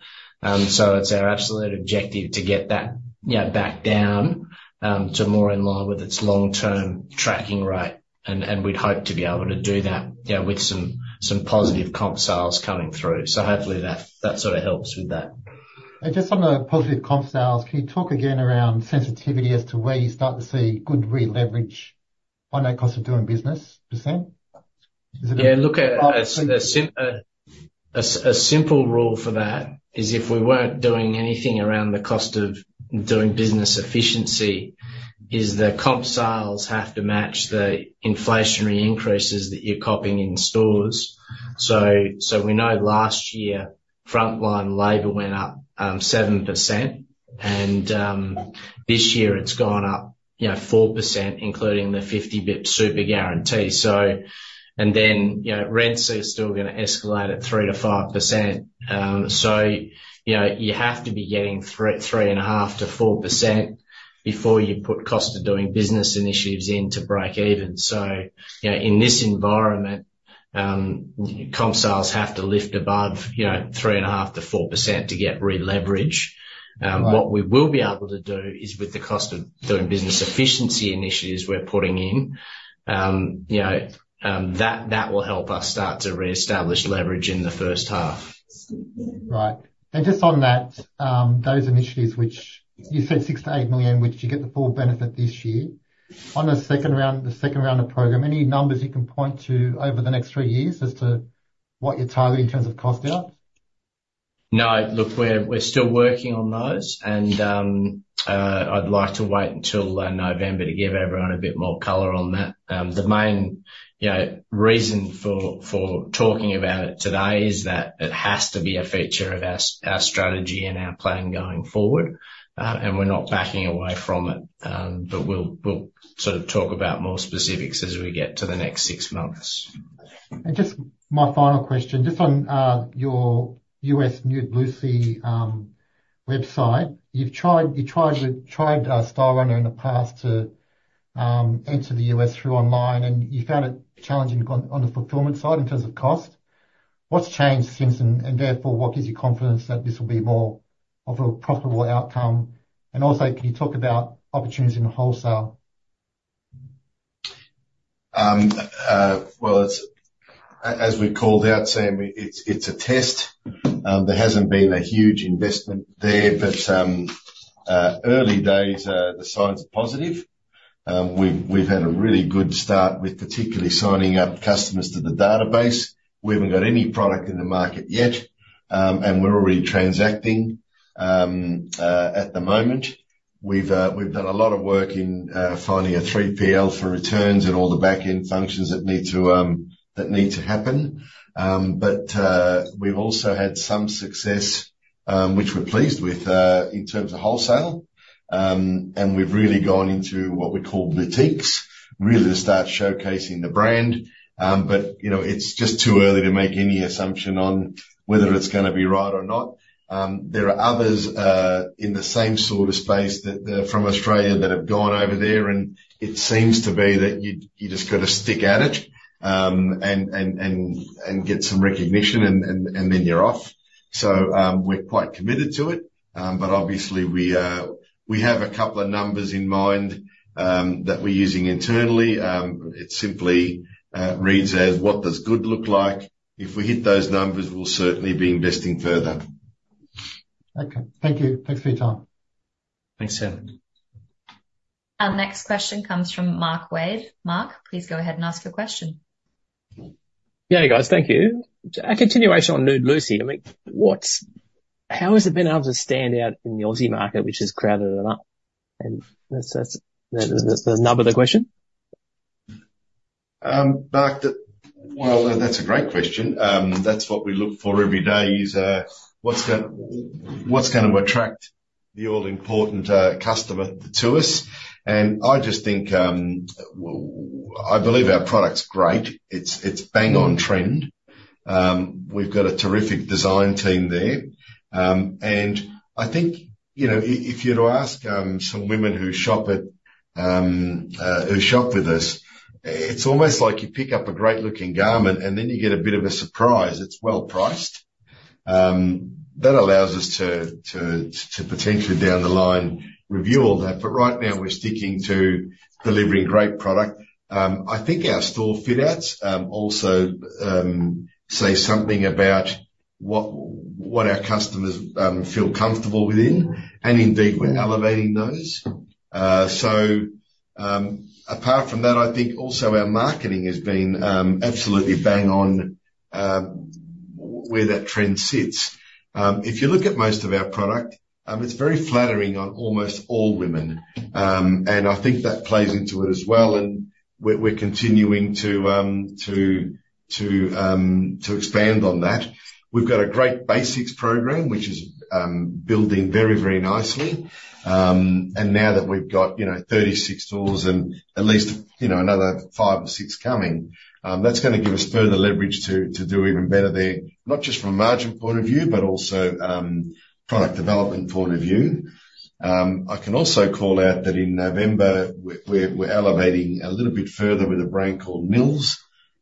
so it's our absolute objective to get that, you know, back down, to more in line with its long-term tracking rate, and we'd hope to be able to do that, you know, with some positive comp sales coming through. So hopefully that sort of helps with that. Just on the positive comp sales, can you talk again around sensitivity as to where you start to see good re-leverage on that cost of doing business percent? Is it- Yeah, look, a simple rule for that is if we weren't doing anything around the cost of doing business efficiency, is the comp sales have to match the inflationary increases that you're copping in stores. So, so we know last year frontline labor went up 7%. And, this year it's gone up, you know, 4%, including the 50 basis points Super Guarantee. So, and then, you know, rents are still gonna escalate at 3%-5%. So, you know, you have to be getting 3.5%-4% before you put cost of doing business initiatives in to break even. So, you know, in this environment, comp sales have to lift above, you know, 3.5%-4% to get re-leverage. What we will be able to do is, with the cost of doing business efficiency initiatives we're putting in, you know, that will help us start to reestablish leverage in the first half. Right, and just on that, those initiatives, which you said 6 million-8 million, which you get the full benefit this year. On the second round, the second round of program, any numbers you can point to over the next three years as to what you're targeting in terms of cost out? No. Look, we're still working on those, and I'd like to wait until November to give everyone a bit more color on that. The main, you know, reason for talking about it today is that it has to be a feature of our strategy and our plan going forward. And we're not backing away from it, but we'll sort of talk about more specifics as we get to the next six months. Just my final question, just on your U.S. Nude Lucy website. You've tried Stylerunner in the past to enter the U.S. through online, and you found it challenging on the fulfillment side in terms of cost. What's changed since then? Therefore, what gives you confidence that this will be more of a profitable outcome? Also, can you talk about opportunities in wholesale? Well, as we called out, Sam, it's a test. There hasn't been a huge investment there. But early days, the signs are positive. We've had a really good start with particularly signing up customers to the database. We haven't got any product in the market yet, and we're already transacting. At the moment, we've done a lot of work in finding a 3PL for returns and all the back-end functions that need to happen. But we've also had some success, which we're pleased with, in terms of wholesale. And we've really gone into what we call boutiques, really to start showcasing the brand. You know, it's just too early to make any assumption on whether it's gonna be right or not. There are others in the same sort of space that are from Australia that have gone over there, and it seems to be that you just gotta stick at it, and get some recognition, and then you're off, so we're quite committed to it, but obviously we have a couple of numbers in mind that we're using internally. It simply reads as, "What does good look like?" If we hit those numbers, we'll certainly be investing further. Okay. Thank you. Thanks for your time. Thanks, Sam. Our next question comes from Mark Wade. Mark, please go ahead and ask your question. Yeah, guys, thank you. A continuation on Nude Lucy. I mean, what's. How has it been able to stand out in the Aussie market, which is crowded enough? And that's the nub of the question. Mark, well, that's a great question. That's what we look for every day, is what's gonna attract the all-important customer to us? And I just think, I believe our product's great. It's bang on trend. We've got a terrific design team there. And I think, you know, if you were to ask some women who shop with us, it's almost like you pick up a great looking garment, and then you get a bit of a surprise. It's well-priced. That allows us to potentially, down the line, review all that. But right now, we're sticking to delivering great product. I think our store fit outs also say something about what our customers feel comfortable within, and indeed, we're elevating those. Apart from that, I think also our marketing has been absolutely bang on, where that trend sits. If you look at most of our product, it's very flattering on almost all women. And I think that plays into it as well, and we're continuing to expand on that. We've got a great basics program, which is building very, very nicely. And now that we've got, you know, 36 stores and at least, you know, another five or six coming, that's gonna give us further leverage to do even better there. Not just from a margin point of view, but also product development point of view. I can also call out that in November, we're elevating a little bit further with a brand called Nils,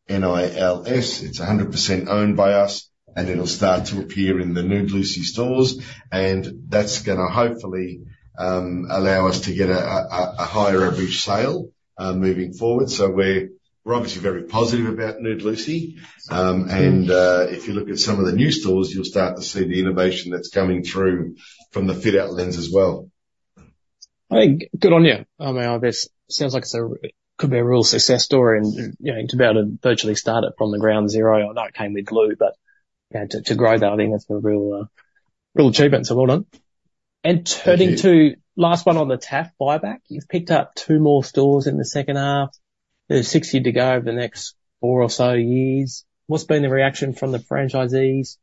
N-I-L-S. It's 100% owned by us, and it'll start to appear in the Nude Lucy stores, and that's gonna hopefully allow us to get a higher average sale moving forward. So we're obviously very positive about Nude Lucy. And if you look at some of the new stores, you'll start to see the innovation that's coming through from the fit out lens as well. I think, good on you. I mean, I guess, sounds like it's a... could be a real success story, and you know, to be able to virtually start it from the ground zero. I know it came with Glue, but you know, to grow that I think that's a real-... Real achievement, so well done. Thank you. Turning to the last one on the TAF buyback, you've picked up two more stores in the second half. There's 60 to go over the next four or so years. What's been the reaction from the franchisees?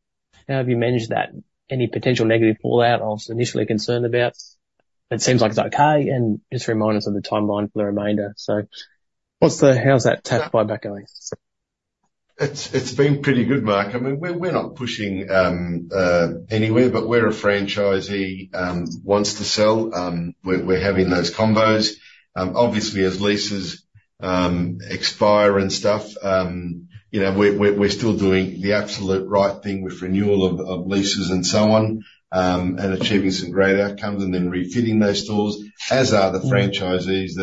How have you managed that? Any potential negative fallout I was initially concerned about? It seems like it's okay, and just remind us of the timeline for the remainder. So how's that TAF buyback going? It's been pretty good, Mark. I mean, we're not pushing anywhere, but where a franchisee wants to sell, we're having those convos. Obviously, as leases expire and stuff, you know, we're still doing the absolute right thing with renewal of leases and so on, and achieving some great outcomes, and then refitting those stores, as are the franchisees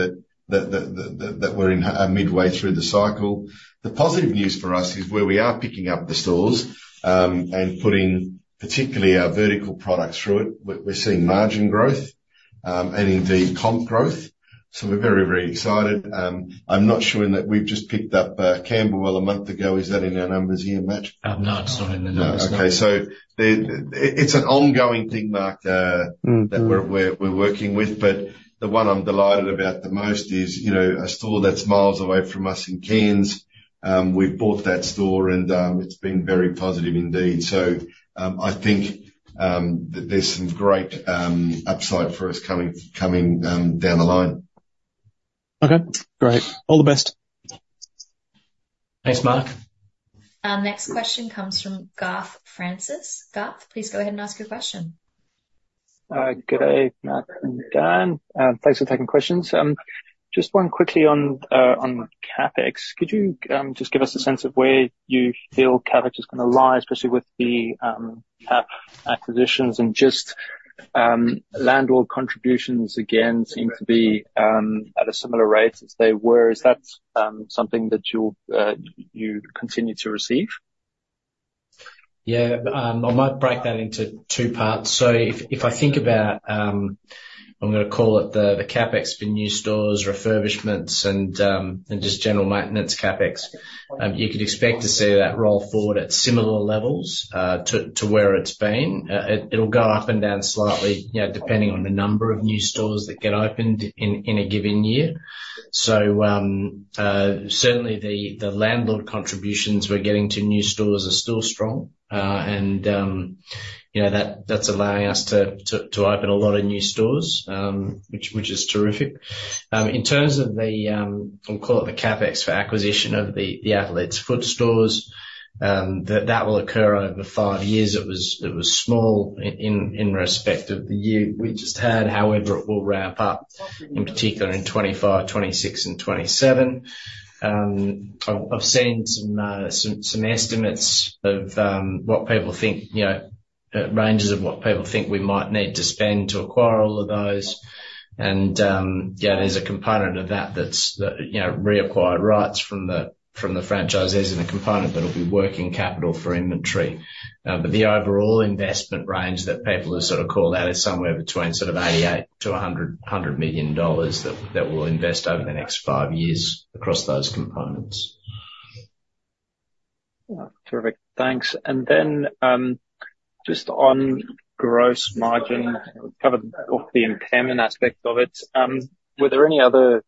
that were in midway through the cycle. The positive news for us is where we are picking up the stores and putting particularly our vertical products through it, we're seeing margin growth and indeed comp growth. So we're very, very excited. I'm not sure in that we've just picked up Camberwell a month ago. Is that in our numbers here, Matt? No, it's not in the numbers. No. Okay, so it's an ongoing thing, Mark. Mm-hmm... that we're working with, but the one I'm delighted about the most is, you know, a store that's miles away from us in Cairns. We've bought that store, and it's been very positive indeed. So, I think that there's some great upside for us coming down the line. Okay, great. All the best. Thanks, Mark. Our next question comes from Garth Francis. Garth, please go ahead and ask your question. Good day, Matt and Dan. Thanks for taking questions. Just one quickly on CapEx. Could you just give us a sense of where you feel CapEx is gonna lie, especially with the TAF acquisitions? And just landlord contributions, again, seem to be at a similar rate as they were. Is that something that you'll continue to receive? Yeah, I might break that into two parts. So if I think about, I'm gonna call it the CapEx for new stores, refurbishments, and just general maintenance CapEx, you could expect to see that roll forward at similar levels to where it's been. It'll go up and down slightly, you know, depending on the number of new stores that get opened in a given year. So certainly the landlord contributions we're getting to new stores are still strong. And you know, that's allowing us to open a lot of new stores, which is terrific. In terms of the, I'll call it the CapEx for acquisition of the Athlete's Foot stores, that will occur over five years. It was small in respect of the year we just had. However, it will ramp up, in particular in 2025, 2026, and 2027. I've seen some estimates of what people think, you know, ranges of what people think we might need to spend to acquire all of those. And yeah, there's a component of that that's you know, reacquired rights from the franchisees, and a component that'll be working capital for inventory. But the overall investment range that people have sort of called out is somewhere between sort of 88 million to 100 million dollars that we'll invest over the next five years across those components. Yeah. Terrific. Thanks. And then, just on gross margin, kind of off the impairment aspect of it, were there any other,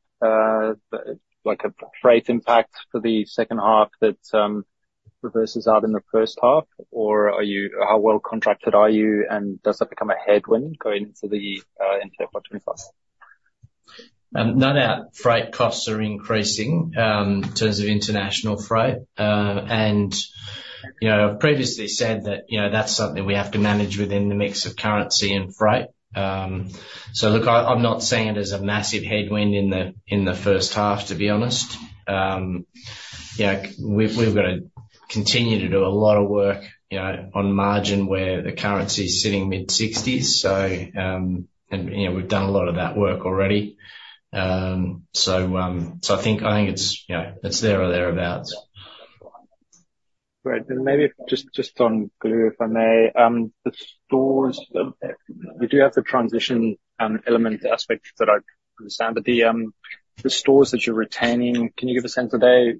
like, a freight impact for the second half that reverses out in the first half? Or are you, how well contracted are you, and does that become a headwind going into 2025? No doubt, freight costs are increasing in terms of international freight, and you know, I've previously said that, you know, that's something we have to manage within the mix of currency and freight. Look, I'm not seeing it as a massive headwind in the first half, to be honest. You know, we've got to continue to do a lot of work, you know, on margin where the currency is sitting mid-sixties, and you know, we've done a lot of that work already. I think it's, you know, it's there or thereabouts. Great. And maybe just on Glue, if I may. The stores, you do have the transition element aspect that I understand, but the stores that you're retaining, can you give a sense are they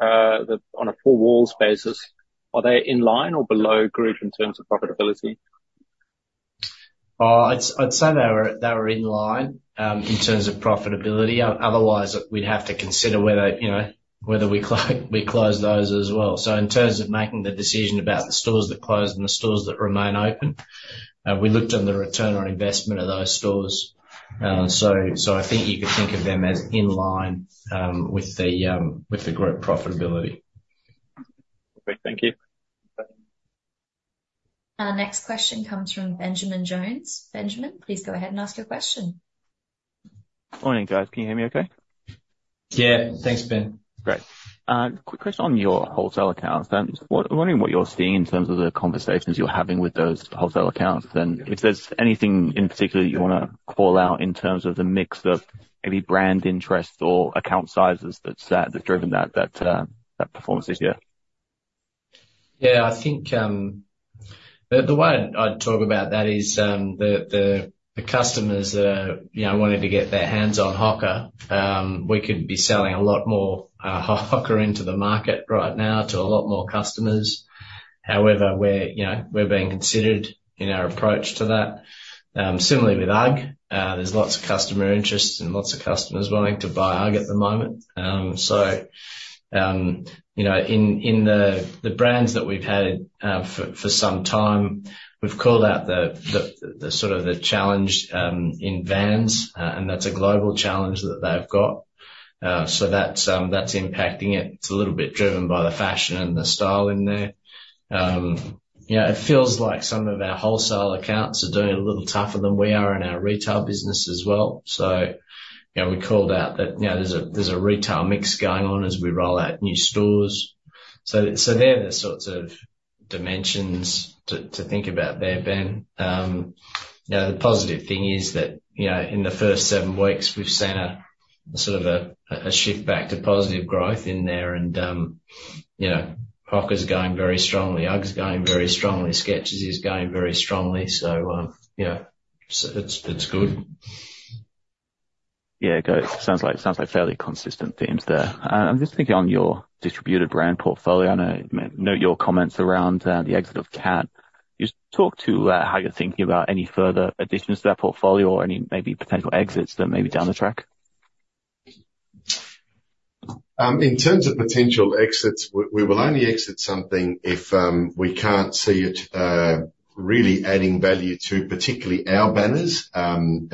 on a four walls basis, are they in line or below group in terms of profitability? I'd say they were in line in terms of profitability. Otherwise, we'd have to consider whether, you know, whether we close those as well. So in terms of making the decision about the stores that closed and the stores that remain open, we looked on the return on investment of those stores. So I think you could think of them as in line with the group profitability. Great. Thank you. Our next question comes from Benjamin Jones. Benjamin, please go ahead and ask your question. Morning, guys. Can you hear me okay? Yeah, thanks, Ben. Great. Quick question on your wholesale accounts, wondering what you're seeing in terms of the conversations you're having with those wholesale accounts, and if there's anything in particular you wanna call out in terms of the mix of maybe brand interest or account sizes that's driven that performance this year? Yeah, I think the way I'd talk about that is the customers you know are wanting to get their hands on Hoka. We could be selling a lot more Hoka into the market right now to a lot more customers. However, we're you know we're being considered in our approach to that. Similarly with UGG, there's lots of customer interest and lots of customers wanting to buy UGG at the moment. So you know in the brands that we've had for some time, we've called out the sort of the challenge in Vans, and that's a global challenge that they've got. So that's impacting it. It's a little bit driven by the fashion and the style in there. You know, it feels like some of our wholesale accounts are doing a little tougher than we are in our retail business as well. So, you know, we called out that, you know, there's a retail mix going on as we roll out new stores. So, they're the sorts of dimensions to think about there, Ben. You know, the positive thing is that, you know, in the first seven weeks, we've seen sort of a shift back to positive growth in there. You know, Hoka's going very strongly. UGG's going very strongly. Skechers is going very strongly. So, you know, so it's, that's good. Yeah, it goes. Sounds like fairly consistent themes there. I'm just thinking on your distributor brand portfolio. I know, note your comments around the exit of CAT. Just talk to how you're thinking about any further additions to that portfolio or any maybe potential exits that may be down the track. In terms of potential exits, we will only exit something if we can't see it really adding value to particularly our banners, and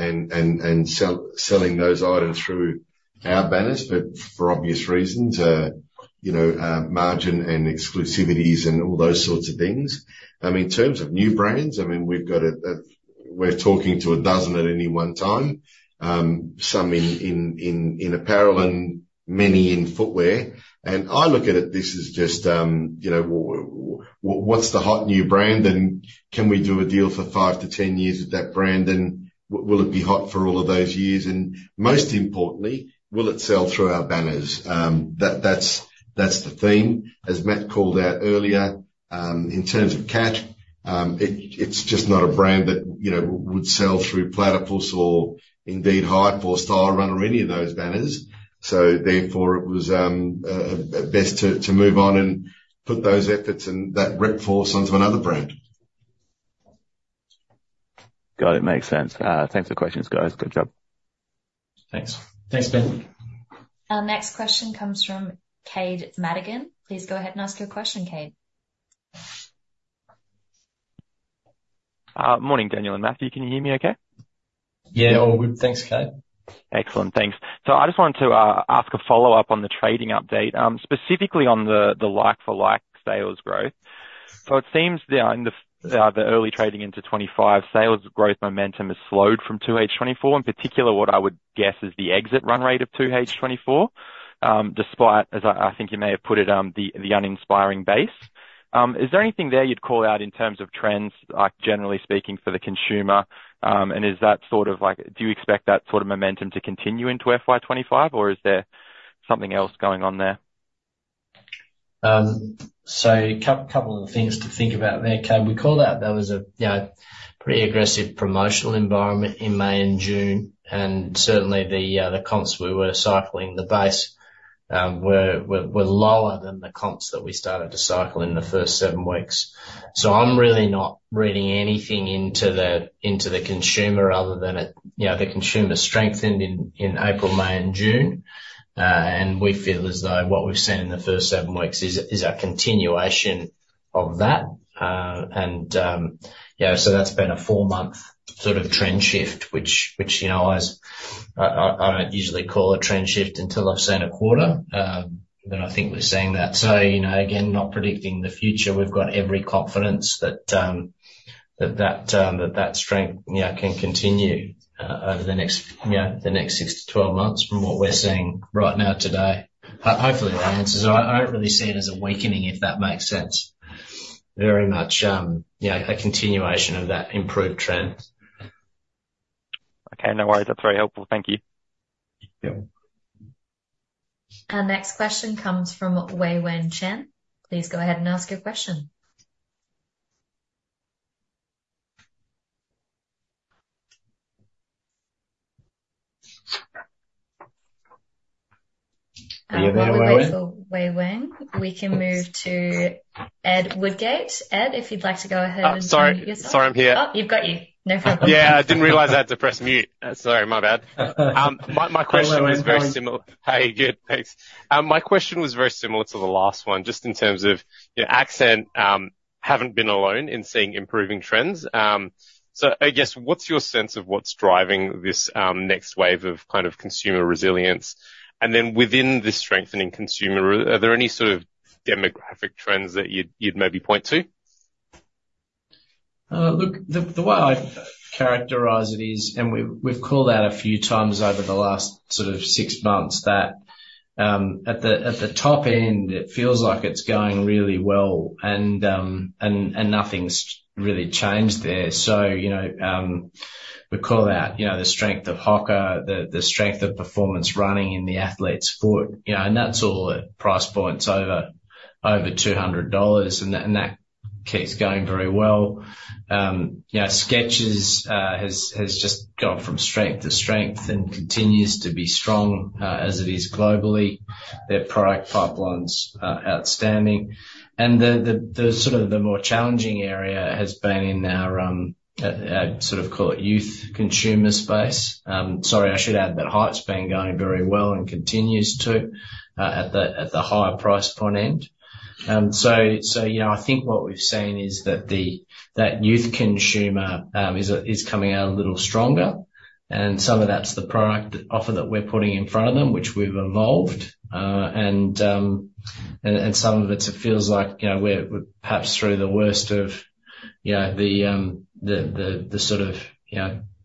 selling those items through our banners, but for obvious reasons, you know, margin and exclusivities and all those sorts of things. In terms of new brands, I mean, we've got a we're talking to a dozen at any one time, some in apparel and many in footwear. And I look at it, this is just, you know, what's the hot new brand, and can we do a deal for five to 10 years with that brand? And will it be hot for all of those years? And most importantly, will it sell through our banners? That's the theme. As Matt called out earlier, in terms of CAT, it, it's just not a brand that, you know, would sell through Platypus or indeed Hype or Stylerunner or any of those banners. So therefore, it was best to move on and put those efforts and that rep force onto another brand. Got it. Makes sense. Thanks for the questions, guys. Good job. Thanks. Thanks, Ben. Our next question comes from Cade Madigan. Please go ahead and ask your question, Cade. Morning, Daniel and Matthew. Can you hear me okay? Yeah. Yeah, all good. Thanks, Cade. Excellent. Thanks. So I just wanted to ask a follow-up on the trading update, specifically on the like-for-like sales growth. So it seems that in the early trading into 2025, sales growth momentum has slowed from 2H 2024. In particular, what I would guess is the exit run rate of 2H 2024, despite, as I think you may have put it, the uninspiring base. Is there anything there you'd call out in terms of trends, like, generally speaking, for the consumer? And is that sort of like? Do you expect that sort of momentum to continue into FY 2025, or is there something else going on there? So, couple of things to think about there, Cade. We call that that was a, you know, pretty aggressive promotional environment in May and June, and certainly the comps we were cycling the base were lower than the comps that we started to cycle in the first seven weeks. So I'm really not reading anything into the consumer other than it, you know, the consumer strengthened in April, May, and June. And we feel as though what we've seen in the first seven weeks is a continuation of that. And, you know, so that's been a four-month sort of trend shift, which, you know, I don't usually call a trend shift until I've seen a quarter. But I think we're seeing that. So, you know, again, not predicting the future, we've got every confidence that that strength, you know, can continue over the next, you know, the next six to 12 months from what we're seeing right now today. Hopefully that answers. I don't really see it as a weakening, if that makes sense. Very much, you know, a continuation of that improved trend. Okay, no worries. That's very helpful. Thank you. Yeah. Our next question comes from Wei-Weng Chen. Please go ahead and ask your question. Are you there, Wei-Weng? While we wait for Wei-Weng, we can move to Ed Woodgate. Ed, if you'd like to go ahead and introduce yourself. Oh, sorry. Sorry, I'm here. Oh, you've got you. No problem. Yeah, I didn't realize I had to press mute. Sorry, my bad. My question was very similar- Hello, how are you? Hey, good, thanks. My question was very similar to the last one, just in terms of, you know, Accent, haven't been alone in seeing improving trends. So I guess, what's your sense of what's driving this, next wave of kind of consumer resilience? And then within the strengthening consumer, are there any sort of demographic trends that you'd maybe point to? Look, the way I characterize it is, and we've called out a few times over the last sort of six months that at the top end, it feels like it's going really well, and nothing's really changed there. So, you know, we call out, you know, the strength of Hoka, the strength of performance running in the Athlete's Foot, you know, and that's all at price points over 200 dollars, and that keeps going very well. Yeah, Skechers has just gone from strength to strength, and continues to be strong, as it is globally. Their product pipeline's outstanding, and the sort of more challenging area has been in our sort of call it youth consumer space. Sorry, I should add that Hype's been going very well, and continues to at the higher price point end. So yeah, I think what we've seen is that the youth consumer is coming out a little stronger. And some of that's the product offer that we're putting in front of them, which we've evolved. And some of it's, it feels like, you know, we're perhaps through the worst of, you know, the sort of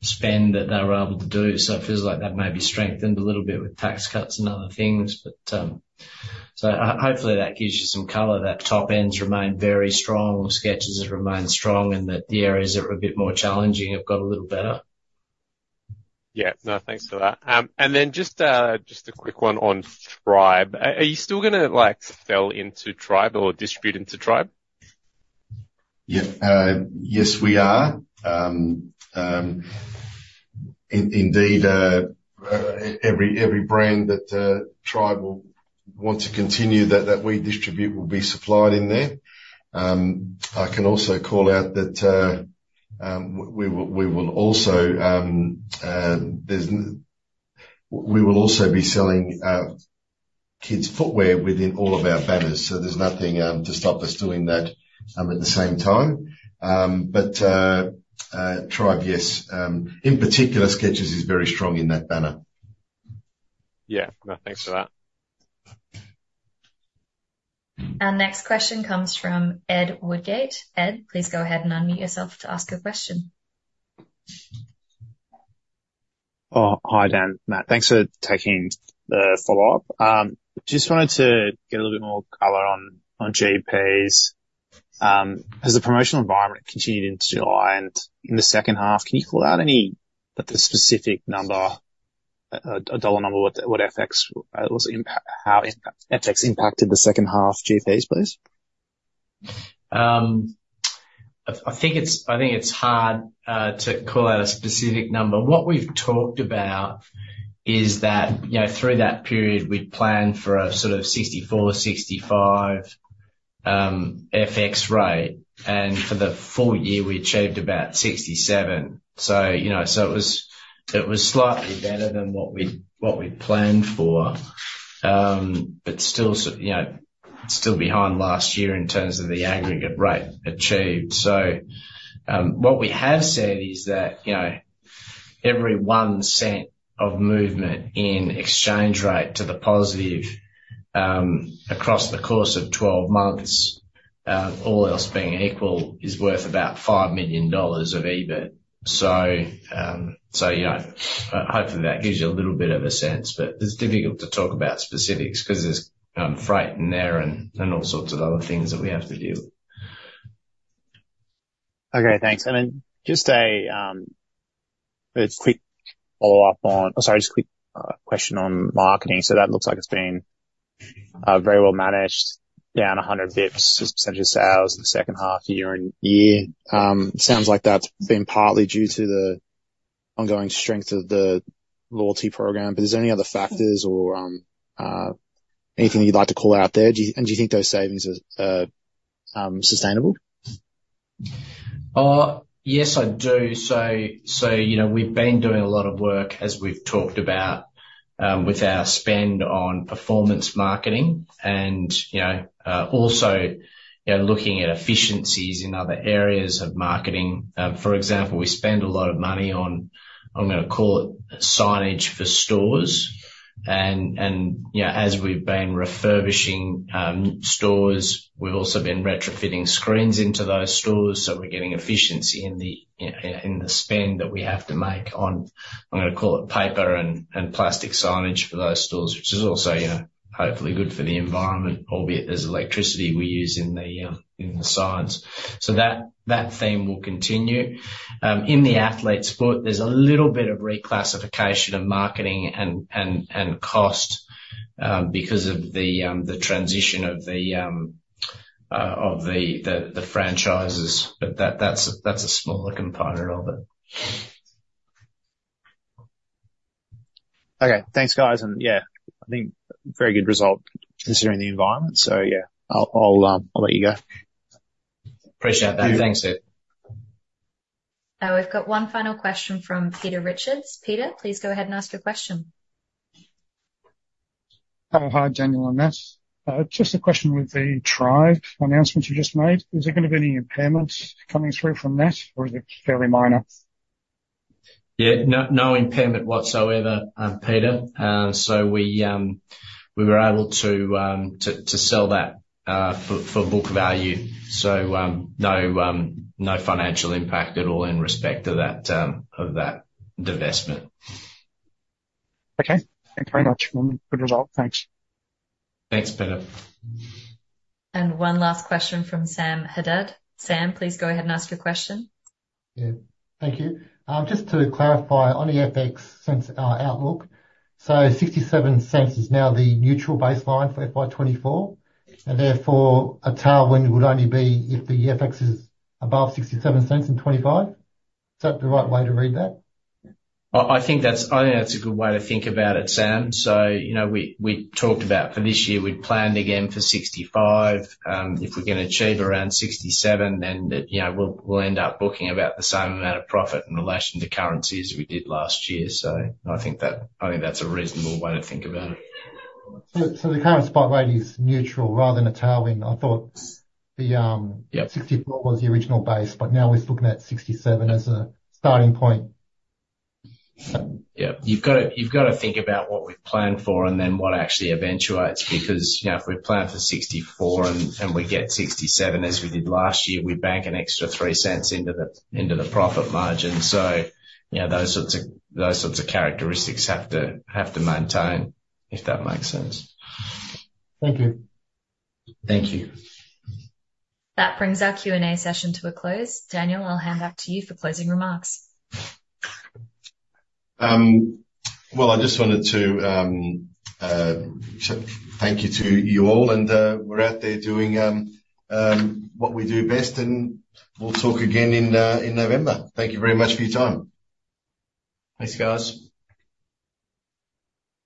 spend that they were able to do. So it feels like that may be strengthened a little bit with tax cuts and other things. But, so hopefully, that gives you some color, that top end's remained very strong, Skechers has remained strong, and that the areas that were a bit more challenging have got a little better. Yeah. No, thanks for that. And then just a quick one on Trybe. Are you still gonna, like, sell into Trybe or distribute into Trybe? Yeah. Yes, we are. Indeed, every brand that Trybe will want to continue, that we distribute will be supplied in there. I can also call out that we will also be selling kids' footwear within all of our banners, so there's nothing to stop us doing that at the same time, but Trybe, yes, in particular, Skechers is very strong in that banner. Yeah. No, thanks for that. Our next question comes from Ed Woodgate. Ed, please go ahead and unmute yourself to ask your question. Oh, hi, Dan, Matt. Thanks for taking the follow-up. Just wanted to get a little bit more color on, on GPs. Has the promotional environment continued into July and in the second half? Can you call out any, like, the specific number, a dollar number, what FX, what's the impact, how FX impacted the second half GPs, please? I think it's hard to call out a specific number. What we've talked about is that, you know, through that period, we'd planned for a sort of 64-65 FX rate, and for the full year, we achieved about 67. So, you know, it was slightly better than what we'd planned for. But still sort of, you know, still behind last year in terms of the aggregate rate achieved. So, what we have said is that, you know, every one cent of movement in exchange rate to the positive, across the course of 12 months, all else being equal, is worth about 5 million dollars of EBIT. So, you know, hopefully, that gives you a little bit of a sense. But it's difficult to talk about specifics, 'cause there's freight in there and all sorts of other things that we have to deal with. Okay, thanks. Sorry, just a quick question on marketing. So that looks like it's been very well managed, down a 100 basis points, just percentage of sales in the second half year-on-year. Sounds like that's been partly due to the ongoing strength of the loyalty program, but is there any other factors or anything you'd like to call out there? And do you think those savings are sustainable? Yes, I do. So, you know, we've been doing a lot of work, as we've talked about, with our spend on performance marketing and, you know, also, you know, looking at efficiencies in other areas of marketing. For example, we spend a lot of money on, I'm gonna call it, signage for stores. And, you know, as we've been refurbishing stores, we've also been retrofitting screens into those stores. So we're getting efficiency in the spend that we have to make on, I'm gonna call it, paper and plastic signage for those stores, which is also, you know, hopefully good for the environment, albeit there's electricity we use in the signs. So that theme will continue. In the Athlete's Foot, there's a little bit of reclassification of marketing and cost because of the transition of the franchises, but that's a smaller component of it. Okay. Thanks, guys. Yeah, I think very good result considering the environment. Yeah, I'll let you go. Appreciate that. Thanks, Ed. Now, we've got one final question from Peter Richards. Peter, please go ahead and ask your question. Hi, Daniel and Matt. Just a question with the Trybe announcement you just made. Is there gonna be any impairments coming through from that, or is it fairly minor? Yeah, no impairment whatsoever, Peter. So, we were able to sell that for book value. So, no financial impact at all in respect to that of that divestment. Okay. Thanks very much, and good result. Thanks. Thanks, Peter. And one last question from Sam Haddad. Sam, please go ahead and ask your question. Yeah. Thank you. Just to clarify, on the FX cents, outlook, so 0.67 is now the neutral baseline for FY 2024, and therefore a tailwind would only be if the FX is above 0.67 in 2025? Is that the right way to read that? I think that's a good way to think about it, Sam. So, you know, we talked about for this year, we'd planned again for 0.65. If we can achieve around 0.67, then, you know, we'll end up booking about the same amount of profit in relation to currencies we did last year. So I think that's a reasonable way to think about it. So the current spot rate is neutral rather than a tailwind. I thought the, Yep. 0.64 was the original base, but now we're looking at 0.67 as a starting point. Yep. You've gotta, you've gotta think about what we've planned for, and then what actually eventuates. Because, you know, if we plan for 0.64 and, and we get 0.67, as we did last year, we bank an extra three cents into the, into the profit margin. So, you know, those sorts of, those sorts of characteristics have to, have to maintain, if that makes sense. Thank you. Thank you. That brings our Q&A session to a close. Daniel, I'll hand back to you for closing remarks. Well, I just wanted to thank you to you all, and we're out there doing what we do best, and we'll talk again in November. Thank you very much for your time. Thanks, guys.